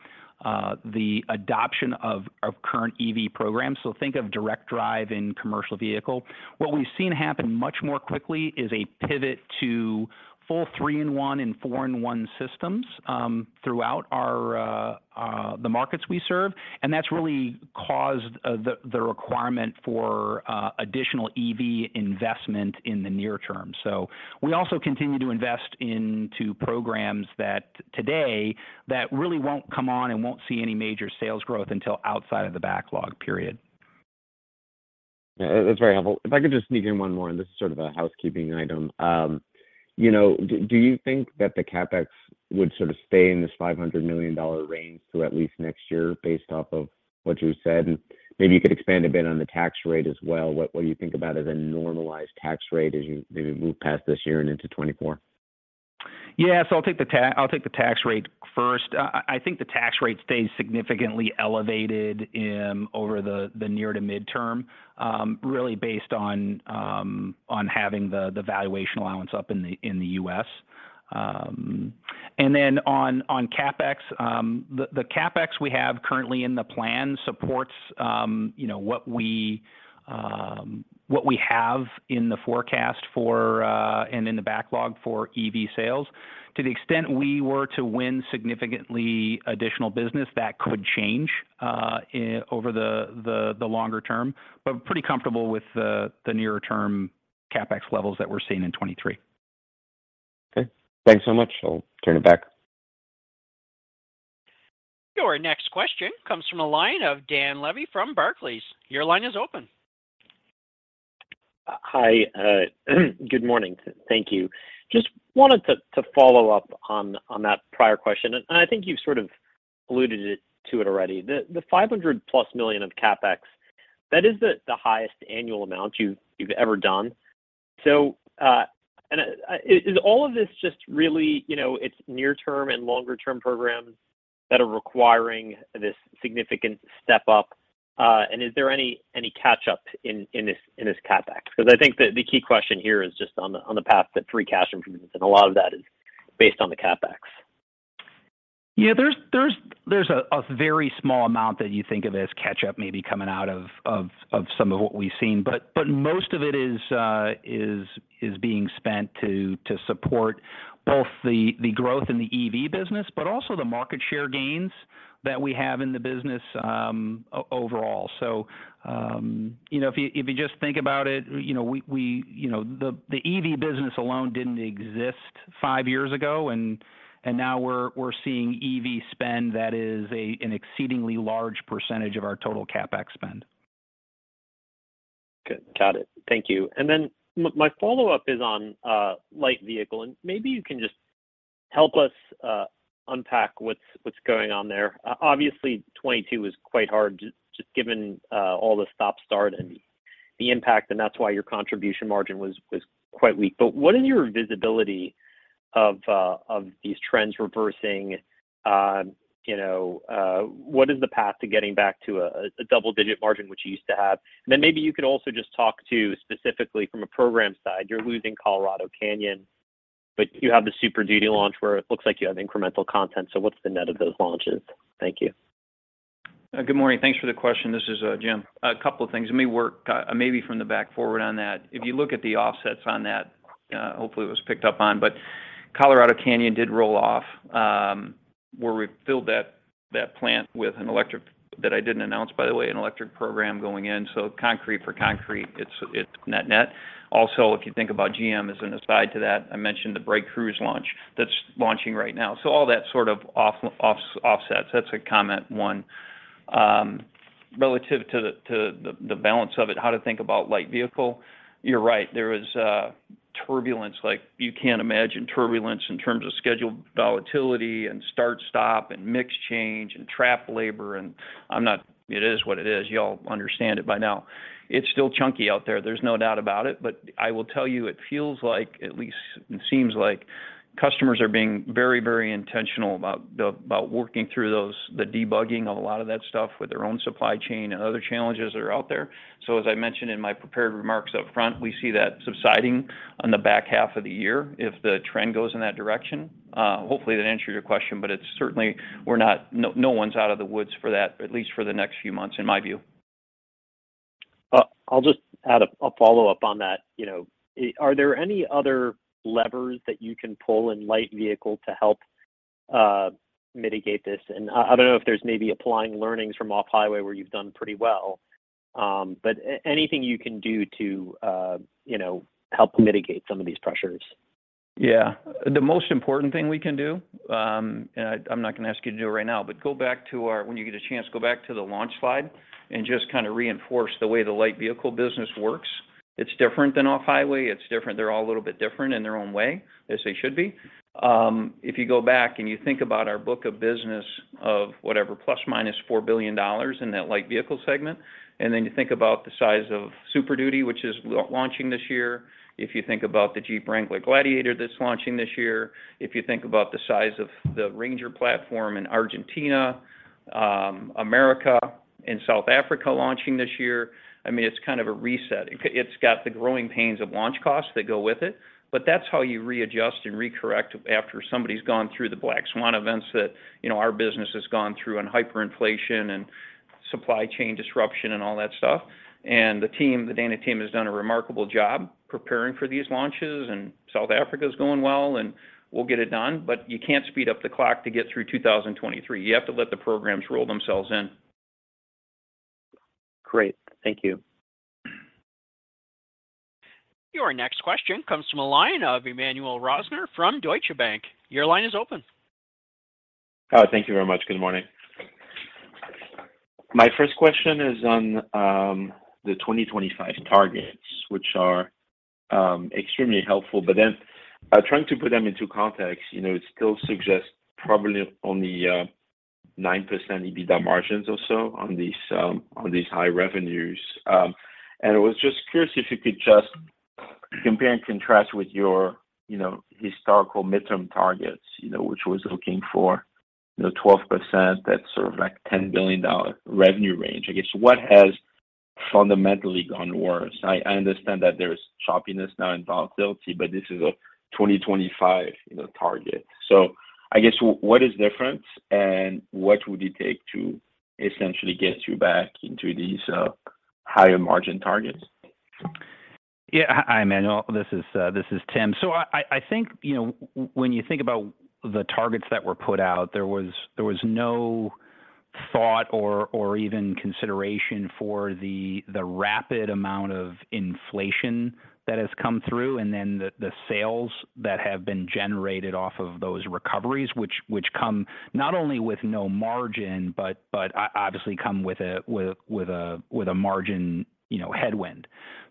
the adoption of current EV programs. Think of direct drive in commercial vehicle. What we've seen happen much more quickly is a pivot to full three-in-one and four-in-one systems throughout our the markets we serve, and that's really caused the requirement for additional EV investment in the near term. We also continue to invest into programs that today that really won't come on and won't see any major sales growth until outside of the backlog period. Yeah. That's very helpful. If I could just sneak in one more, and this is sort of a housekeeping item. You know, do you think that the CapEx would sort of stay in this $500 million range through at least next year based off of what you said? Maybe you could expand a bit on the tax rate as well. What you think about as a normalized tax rate as you maybe move past this year and into 2024? I'll take the tax rate first. I think the tax rate stays significantly elevated over the near to mid-term, really based on having the valuation allowance up in the U.S. And then on CapEx, the CapEx we have currently in the plan supports, you know, what we have in the forecast for and in the backlog for EV sales. To the extent we were to win significantly additional business that could change over the longer term, but pretty comfortable with the nearer term CapEx levels that we're seeing in 2023. Okay. Thanks so much. I'll turn it back. Your next question comes from the line of Dan Levy from Barclays. Your line is open. Hi. Good morning. Thank you. Just wanted to follow up on that prior question, and I think you've sort of alluded it to it already. The $500+ million of CapEx, that is the highest annual amount you've ever done. Is all of this just really, you know, it's near term and longer term programs that are requiring this significant step up? Is there any catch up in this CapEx? I think the key question here is just on the path to free cash improvements, and a lot of that is based on the CapEx. Yeah. There's a very small amount that you think of as catch-up maybe coming out of some of what we've seen. Most of it is being spent to support both the growth in the EV business, but also the market share gains that we have in the business overall. You know, if you just think about it, you know, the EV business alone didn't exist five years ago and now we're seeing EV spend that is an exceedingly large % of our total CapEx spend. Good. Got it. Thank you. Then my follow-up is on light vehicle, maybe you can just help us unpack what's going on there. Obviously 2022 was quite hard just given all the stop-start and the impact and that's why your contribution margin was quite weak. What is your visibility of these trends reversing? You know, what is the path to getting back to a double-digit margin which you used to have? Then maybe you could also just talk to specifically from a program side. You're losing Colorado Canyon, but you have the Super Duty launch where it looks like you have incremental content. What's the net of those launches? Thank you. Good morning. Thanks for the question. This is Jim. A couple of things. Let me work maybe from the back forward on that. If you look at the offsets on that, hopefully it was picked up on, but Colorado Canyon did roll off, where we filled that plant with an electric that I didn't announce by the way, an electric program going in. Concrete for concrete, it's net-net. Also, if you think about GM as an aside to that, I mentioned the BrightDrop launch that's launching right now. All that sort of offsets. That's a comment one. Relative to the balance of it, how to think about light vehicle, you're right. There was a turbulence like you can't imagine turbulence in terms of schedule volatility and start stop and mix change and trap labor. It is what it is. Y'all understand it by now. It's still chunky out there. There's no doubt about it. I will tell you, it feels like, at least it seems like customers are being very, very intentional about working through those, the debugging of a lot of that stuff with their own supply chain and other challenges that are out there. As I mentioned in my prepared remarks up front, we see that subsiding on the back half of the year if the trend goes in that direction. Hopefully that answers your question, it's certainly no one's out of the woods for that, at least for the next few months in my view. I'll just add a follow-up on that, you know. Are there any other levers that you can pull in light vehicle to help mitigate this? I don't know if there's maybe applying learnings from off-highway where you've done pretty well, but anything you can do to, you know, help mitigate some of these pressures? The most important thing we can do, and I'm not gonna ask you to do it right now, but when you get a chance, go back to the launch slide and just kinda reinforce the way the light vehicle business works. It's different than off-highway. It's different. They're all a little bit different in their own way, as they should be. If you go back and you think about our book of business of whatever ±$4 billion in that light vehicle segment, and then you think about the size of Super Duty, which is launching this year. If you think about the Jeep Wrangler Gladiator that's launching this year, if you think about the size of the Ranger platform in Argentina, America and South Africa launching this year, I mean, it's kind of a reset. It's got the growing pains of launch costs that go with it. That's how you readjust and recorrect after somebody's gone through the black swan events that, you know, our business has gone through and hyperinflation and supply chain disruption and all that stuff. The team, the Dana team, has done a remarkable job preparing for these launches, and South Africa is going well, and we'll get it done. You can't speed up the clock to get through 2023. You have to let the programs roll themselves in. Great. Thank you. Your next question comes from a line of Emmanuel Rosner from Deutsche Bank. Your line is open. Thank you very much. Good morning. My first question is on the 2025 targets, which are extremely helpful. Trying to put them into context, you know, it still suggests probably only 9% EBITDA margins or so on these high revenues. I was just curious if you could just compare and contrast with your, you know, historical midterm targets, you know, which was looking for, you know, 12%, that sort of like $10 billion revenue range. What has fundamentally gone worse? I understand that there's choppiness now and volatility, but this is a 2025, you know, target. What is different and what would it take to essentially get you back into these higher margin targets? Yeah. Hi, Emmanuel. This is Tim. I, I think, you know, when you think about the targets that were put out, there was no thought or even consideration for the rapid amount of inflation that has come through and then the sales that have been generated off of those recoveries, which come not only with no margin, but obviously come with a margin, you know, headwind.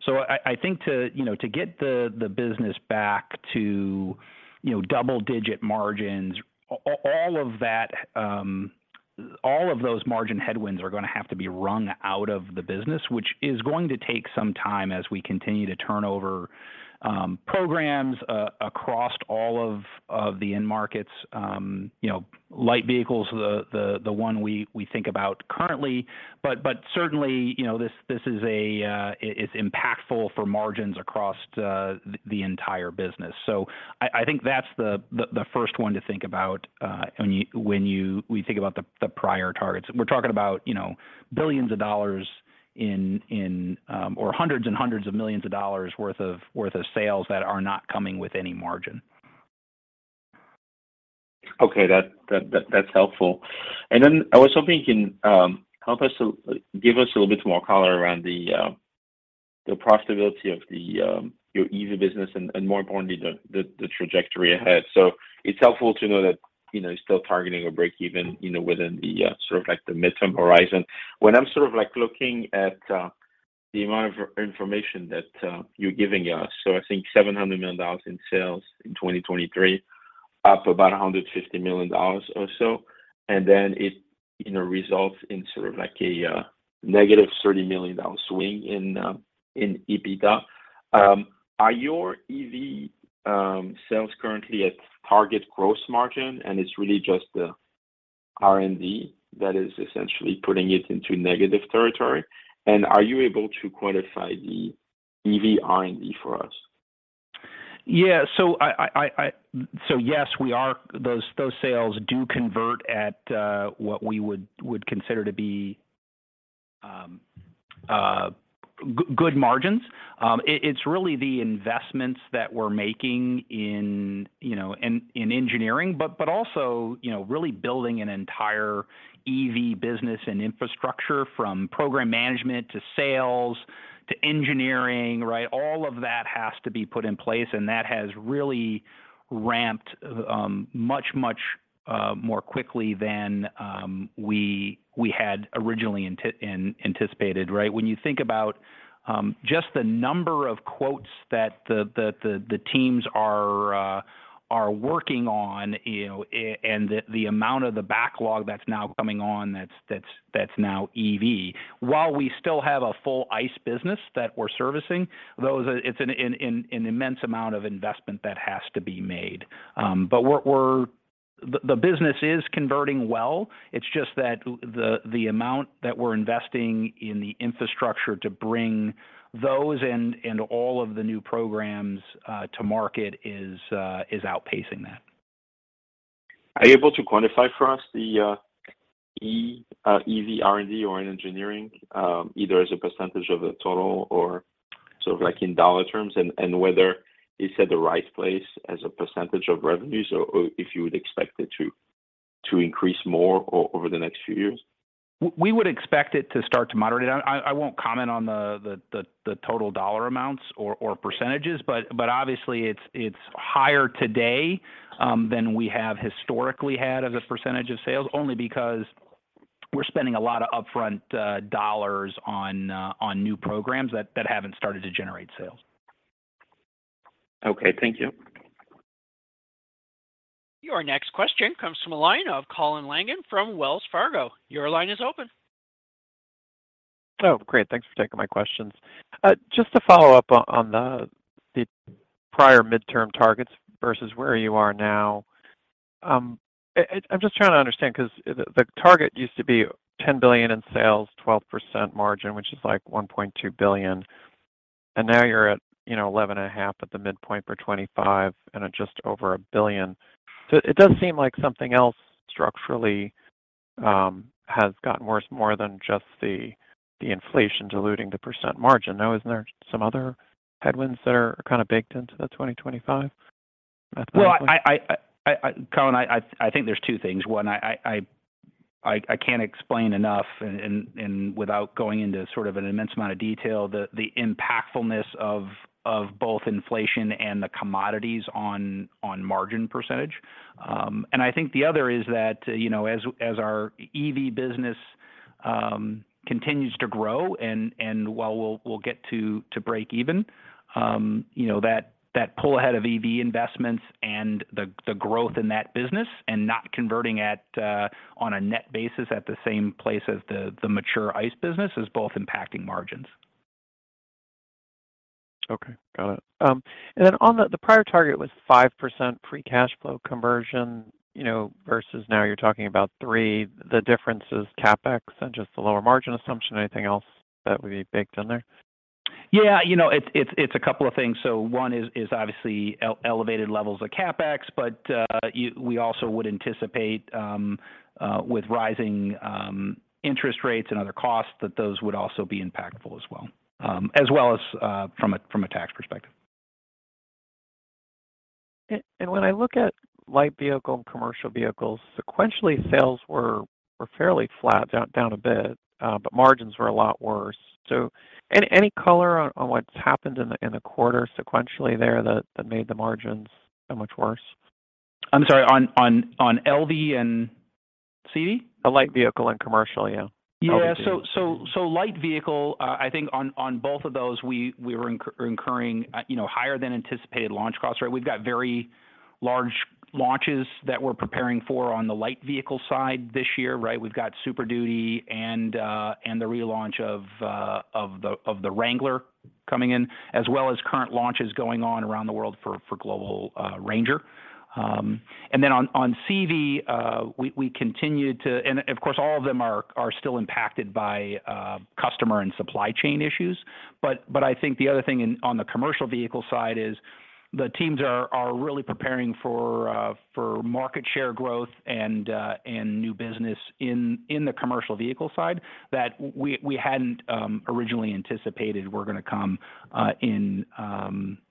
I think to, you know, to get the business back to, you know, double-digit margins, all of that, all of those margin headwinds are gonna have to be wrung out of the business, which is going to take some time as we continue to turn over programs across all of the end markets. You know, light vehicles, the one we think about currently, but certainly, you know, this is a, it's impactful for margins across the entire business. I think that's the first one to think about when we think about the prior targets. We're talking about, you know, billions of dollars in or hundreds and hundreds of millions of dollars worth of sales that are not coming with any margin. Okay. That's helpful. I was hoping you can help us to give us a little bit more color around the profitability of your EV business and, more importantly, the trajectory ahead. It's helpful to know that, you know, you're still targeting a break even, you know, within the sort of like the midterm horizon. When I'm sort of like looking at the amount of information that you're giving us, I think $700 million in sales in 2023, up about $150 million or so, and then it, you know, results in sort of like a -$30 million swing in EBITDA. Are your EV sales currently at target gross margin, and it's really just the R&D that is essentially putting it into negative territory? Are you able to quantify the EV R&D for us? Yeah. those sales do convert at, what we would consider to be. good margins. It's really the investments that we're making in, you know, in engineering, but also, you know, really building an entire EV business and infrastructure from program management to sales to engineering, right? All of that has to be put in place, and that has really ramped much, much more quickly than we had originally anticipated, right? When you think about just the number of quotes that the teams are working on, you know, and the amount of the backlog that's now coming on that's now EV. While we still have a full ICE business that we're servicing, it's an immense amount of investment that has to be made. The business is converting well. It's just that the amount that we're investing in the infrastructure to bring those and all of the new programs to market is outpacing that. Are you able to quantify for us the EV R&D or engineering, either as a percentage of the total or sort of like in dollar terms, and whether it's at the right place as a percentage of revenues or if you would expect it to increase more over the next few years? We would expect it to start to moderate. I won't comment on the total dollar amounts or percentages, but obviously it's higher today than we have historically had as a percentage of sales, only because we're spending a lot of upfront dollars on new programs that haven't started to generate sales. Okay, thank you. Your next question comes from a line of Colin Langan from Wells Fargo. Your line is open. Great. Thanks for taking my questions. Just to follow up on the prior midterm targets versus where you are now. I'm just trying to understand 'cause the target used to be $10 billion in sales, 12% margin, which is like $1.2 billion, and now you're at $11.5 billion at the midpoint for 2025 and at just over $1 billion. It does seem like something else structurally has gotten worse, more than just the inflation diluting the % margin. Now isn't there some other headwinds that are kind of baked into the 2025? Well, Colin, I think there's two things. One, I can't explain enough and without going into sort of an immense amount of detail, the impactfulness of both inflation and the commodities on margin percentage. I think the other is that, you know, as our EV business continues to grow and while we'll get to break even, you know, that pull ahead of EV investments and the growth in that business and not converting at on a net basis at the same place as the mature ICE business is both impacting margins. Okay. Got it. On the prior target was 5% free cash flow conversion, you know, versus now you're talking about 3%. The difference is CapEx and just the lower margin assumption. Anything else that would be baked in there? Yeah. You know, it's a couple of things. One is obviously elevated levels of CapEx, but we also would anticipate with rising interest rates and other costs, that those would also be impactful as well. As well as, from a tax perspective. When I look at light vehicle and commercial vehicles, sequentially sales were fairly flat, down a bit, but margins were a lot worse. Any color on what's happened in the quarter sequentially there that made the margins so much worse? I'm sorry. On, on LV and CV? The light vehicle and commercial, yeah. Yeah. Light vehicle, I think on both of those, we were incurring, you know, higher than anticipated launch costs, right? We've got very large launches that we're preparing for on the light vehicle side this year, right? We've got Super Duty and the relaunch of the Wrangler coming in, as well as current launches going on around the world for global Ranger. Then on CV, we continue to. Of course, all of them are still impacted by customer and supply chain issues. I think the other thing in the commercial vehicle side is the teams are really preparing for market share growth and new business in the commercial vehicle side that we hadn't originally anticipated were gonna come in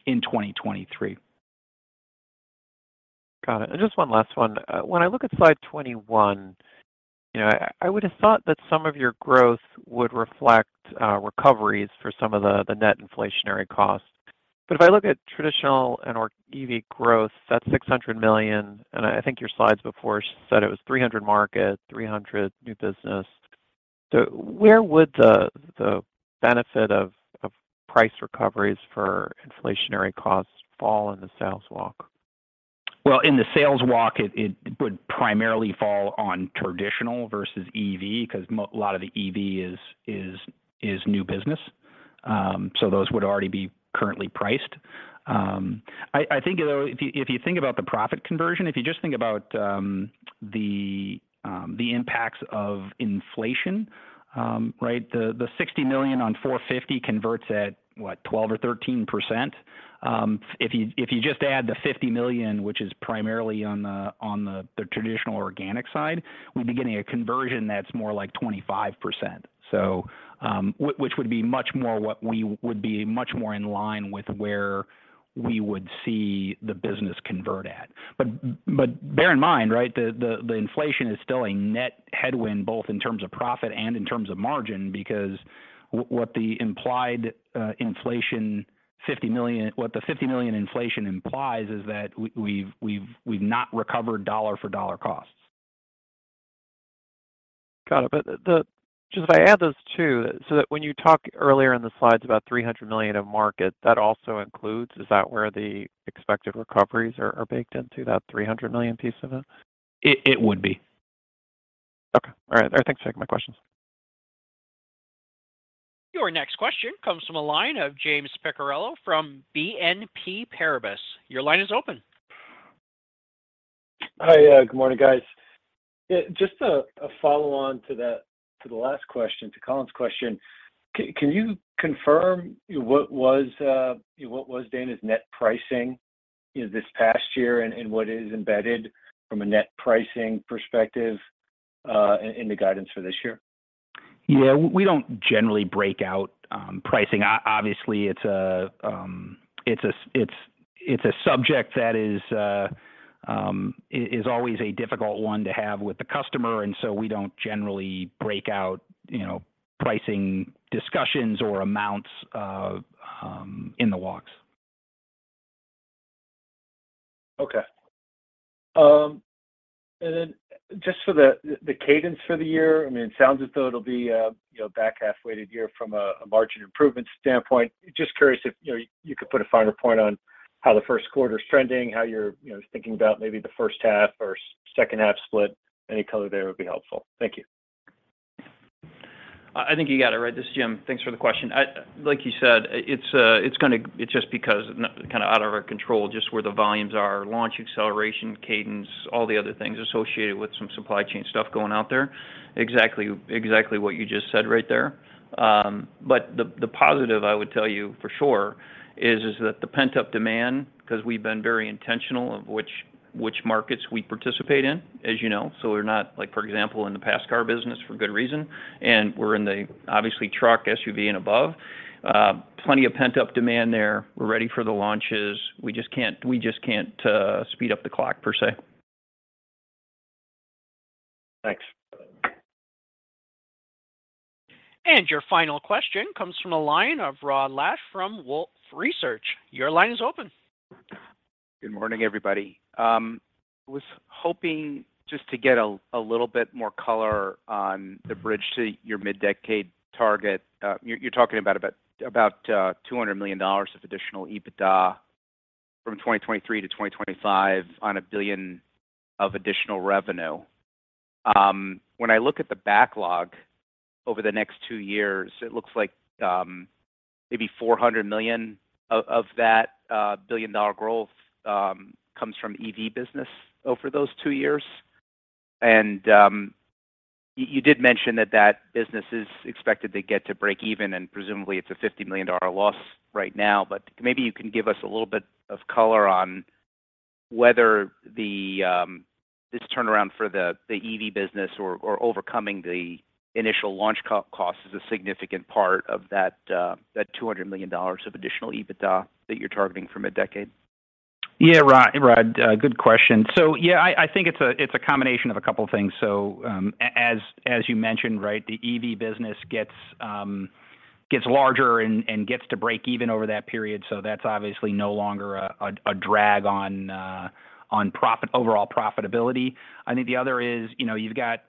2023. Got it. Just one last one. When I look at slide 21, you know, I would have thought that some of your growth would reflect recoveries for some of the net inflationary costs. If I look at traditional and/or EV growth, that's $600 million, and I think your slides before said it was $300 market, $300 new business. Where would the benefit of price recoveries for inflationary costs fall in the sales walk? In the sales walk it would primarily fall on traditional versus EV 'cause a lot of the EV is new business. Those would already be currently priced. I think, you know, if you think about the profit conversion, if you just think about the impacts of inflation, right? The $60 million on $450 converts at, what? 12% or 13%. If you just add the $50 million, which is primarily on the traditional organic side, we'd be getting a conversion that's more like 25%. Which would be much more what we would be much more in line with where we would see the business convert at. bear in mind, right, the inflation is still a net headwind, both in terms of profit and in terms of margin, because what the implied inflation what the $50 million inflation implies is that we've not recovered dollar for dollar costs. Got it. Just if I add those two, so that when you talked earlier in the slides about $300 million of market, that also includes, is that where the expected recoveries are baked into that $300 million piece of it? It would be. Okay. All right. Thanks. My questions. Your next question comes from a line of James Picariello from BNP Paribas. Your line is open. Hi. Good morning, guys. Just a follow on to that, to the last question, to Colin's question. Can you confirm what was Dana's net pricing, you know, this past year and what is embedded from a net pricing perspective, in the guidance for this year? Yeah. We don't generally break out pricing. Obviously, it's a subject that is always a difficult one to have with the customer, and so we don't generally break out, you know, pricing discussions or amounts in the walks. Okay. Just for the cadence for the year, I mean, it sounds as though it'll be, you know, back half weighted year from a margin improvement standpoint. Just curious if, you know, you could put a finer point on how the first quarter's trending, how you're, you know, thinking about maybe the first half or second half split. Any color there would be helpful. Thank you. I think you got it right. This is Jim. Thanks for the question. Like you said, it's just because kind of out of our control, just where the volumes are, launch acceleration, cadence, all the other things associated with some supply chain stuff going out there. Exactly what you just said right there. But the positive I would tell you for sure is that the pent-up demand, 'cause we've been very intentional of which markets we participate in, as you know. So we're not like, for example, in the pass car business for good reason, and we're in the obviously truck, SUV, and above. Plenty of pent-up demand there. We're ready for the launches. We just can't speed up the clock per se. Thanks. Your final question comes from the line of Rod Lache from Wolfe Research. Your line is open. Good morning, everybody. Was hoping just to get a little bit more color on the bridge to your mid-decade target. You're talking about $200 million of additional EBITDA from 2023 to 2025 on $1 billion of additional revenue. When I look at the backlog over the next two years, it looks like maybe $400 million of that billion-dollar growth comes from EV business over those two years. You did mention that that business is expected to get to break even, and presumably it's a $50 million loss right now. Maybe you can give us a little bit of color on whether this turnaround for the EV business or overcoming the initial launch cost is a significant part of that $200 million of additional EBITDA that you're targeting from a decade. Rod, good question. I think it's a combination of a couple things. As you mentioned, right, the EV business gets larger and gets to break even over that period. That's obviously no longer a drag on profit, overall profitability. I think the other is, you know, you've got,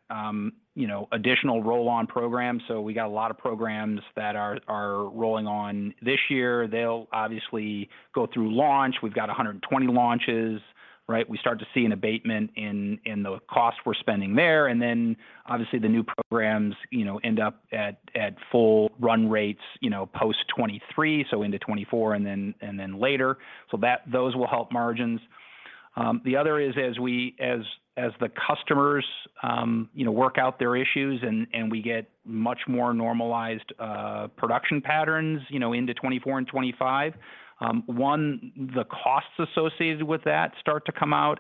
additional roll-on programs. We got a lot of programs that are rolling on this year. They'll obviously go through launch. We've got 120 launches, right? We start to see an abatement in the cost we're spending there. Obviously the new programs, you know, end up at full run rates, you know, post 2023, so into 2024 and then later. Those will help margins. The other is as the customers, you know, work out their issues and we get much more normalized production patterns, you know, into 2024 and 2025, one, the costs associated with that start to come out.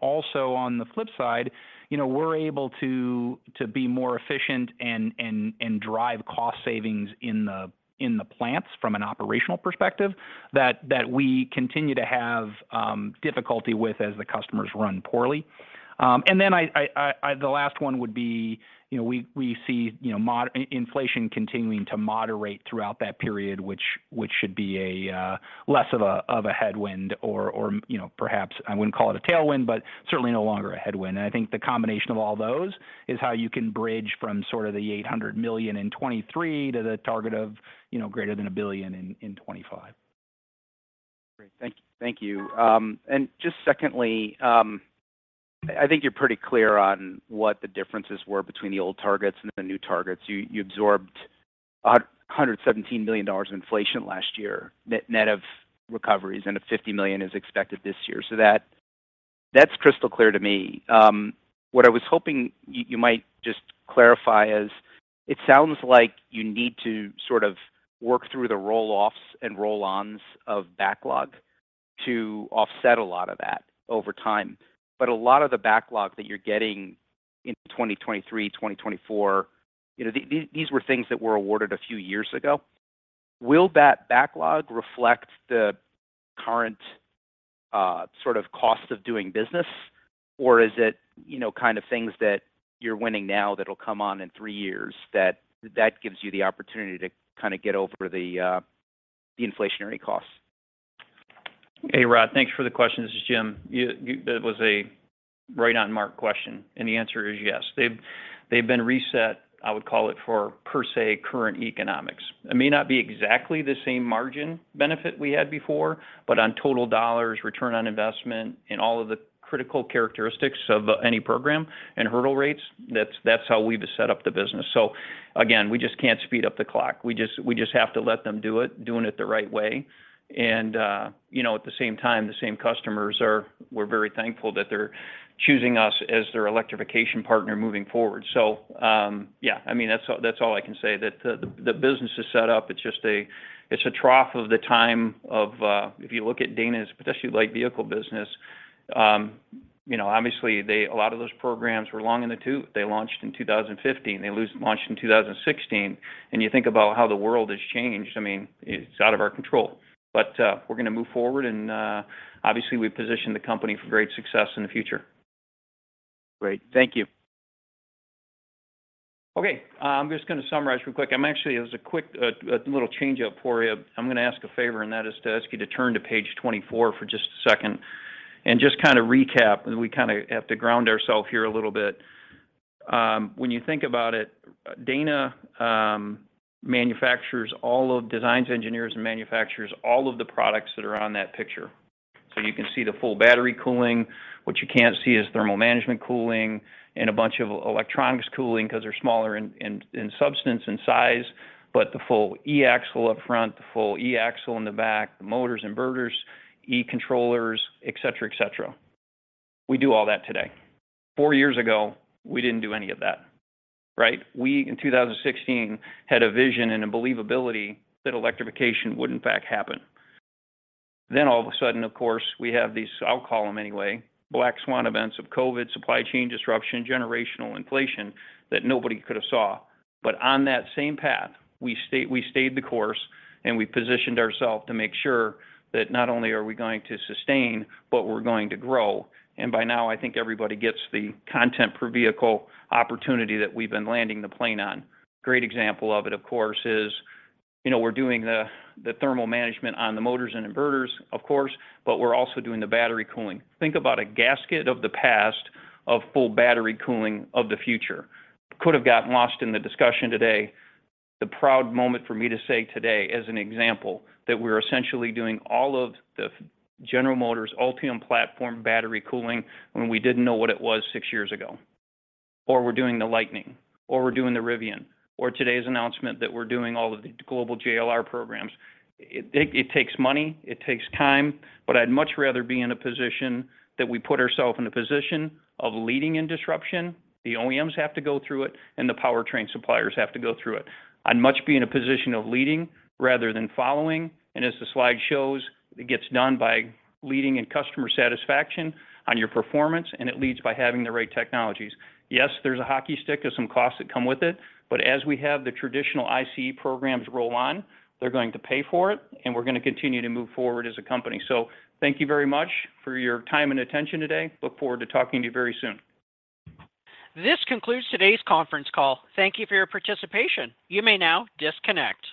Also on the flip side, you know, we're able to be more efficient and, and drive cost savings in the, in the plants from an operational perspective that we continue to have difficulty with as the customers run poorly. I, the last one would be, you know, we see, you know, inflation continuing to moderate throughout that period which should be a less of a, of a headwind or, you know, perhaps I wouldn't call it a tailwind, but certainly no longer a headwind. I think the combination of all those is how you can bridge from sort of the $800 million in 2023 to the target of, you know, greater than $1 billion in 2025. Great. Thank you. Just secondly, I think you're pretty clear on what the differences were between the old targets and the new targets. You absorbed $117 million of inflation last year, net of recoveries, and $50 million is expected this year. That's crystal clear to me. What I was hoping you might just clarify is it sounds like you need to sort of work through the roll-offs and roll-ons of backlog to offset a lot of that over time. A lot of the backlog that you're getting into 2023, 2024, you know, these were things that were awarded a few years ago. Will that backlog reflect the current sort of cost of doing business? Is it, you know, kind of things that you're winning now that'll come on in three years that gives you the opportunity to kinda get over the inflationary costs? Hey, Rod. Thanks for the question. This is Jim. You That was a right on mark question. The answer is yes. They've been reset, I would call it, for per se current economics. It may not be exactly the same margin benefit we had before, but on total dollars, return on investment, and all of the critical characteristics of any program and hurdle rates, that's how we've set up the business. Again, we just can't speed up the clock. We just have to let them do it, doing it the right way. You know, at the same time, the same customers, we're very thankful that they're choosing us as their electrification partner moving forward. Yeah, I mean, that's all I can say. That the business is set up. It's just a, it's a trough of the time of, if you look at Dana's, especially light vehicle business, you know, obviously a lot of those programs were long in the tooth. They launched in 2015. They launched in 2016. You think about how the world has changed. I mean, it's out of our control. We're gonna move forward and, obviously we've positioned the company for great success in the future. Great. Thank you. Okay, I'm just gonna summarize real quick. It was a quick, a little change-up for you. I'm gonna ask a favor, and that is to ask you to turn to page 24 for just a second and just kinda recap, and we kinda have to ground ourself here a little bit. When you think about it, Dana designs, engineers, and manufacturers all of the products that are on that picture. You can see the full battery cooling. What you can't see is thermal management cooling and a bunch of electronics cooling because they're smaller in substance and size. The full e-Axle up front, the full e-Axle in the back, the motors, inverters, e-controllers, et cetera, et cetera. We do all that today. Four years ago, we didn't do any of that, right? We, in 2016, had a vision and a believability that electrification would in fact happen. All of a sudden, of course, we have these, I'll call them anyway, black swan events of COVID, supply chain disruption, generational inflation that nobody could have saw. On that same path, we stayed the course, and we positioned ourself to make sure that not only are we going to sustain, but we're going to grow. By now, I think everybody gets the content per vehicle opportunity that we've been landing the plane on. Great example of it, of course, is, you know, we're doing the thermal management on the motors and inverters, of course, but we're also doing the battery cooling. Think about a gasket of the past of full battery cooling of the future. Could have gotten lost in the discussion today. The proud moment for me to say today as an example that we're essentially doing all of the General Motors Ultium platform battery cooling when we didn't know what it was six years ago. We're doing the Lightning, or we're doing the Rivian, or today's announcement that we're doing all of the global JLR programs. It takes money, it takes time, I'd much rather be in a position that we put ourself in a position of leading in disruption. The OEMs have to go through it, the powertrain suppliers have to go through it. I'd much be in a position of leading rather than following. As the slide shows, it gets done by leading in customer satisfaction on your performance, and it leads by having the right technologies. Yes, there's a hockey stick of some costs that come with it, but as we have the traditional ICE programs roll on, they're going to pay for it, and we're gonna continue to move forward as a company. Thank you very much for your time and attention today. Look forward to talking to you very soon. This concludes today's conference call. Thank you for your participation. You may now disconnect.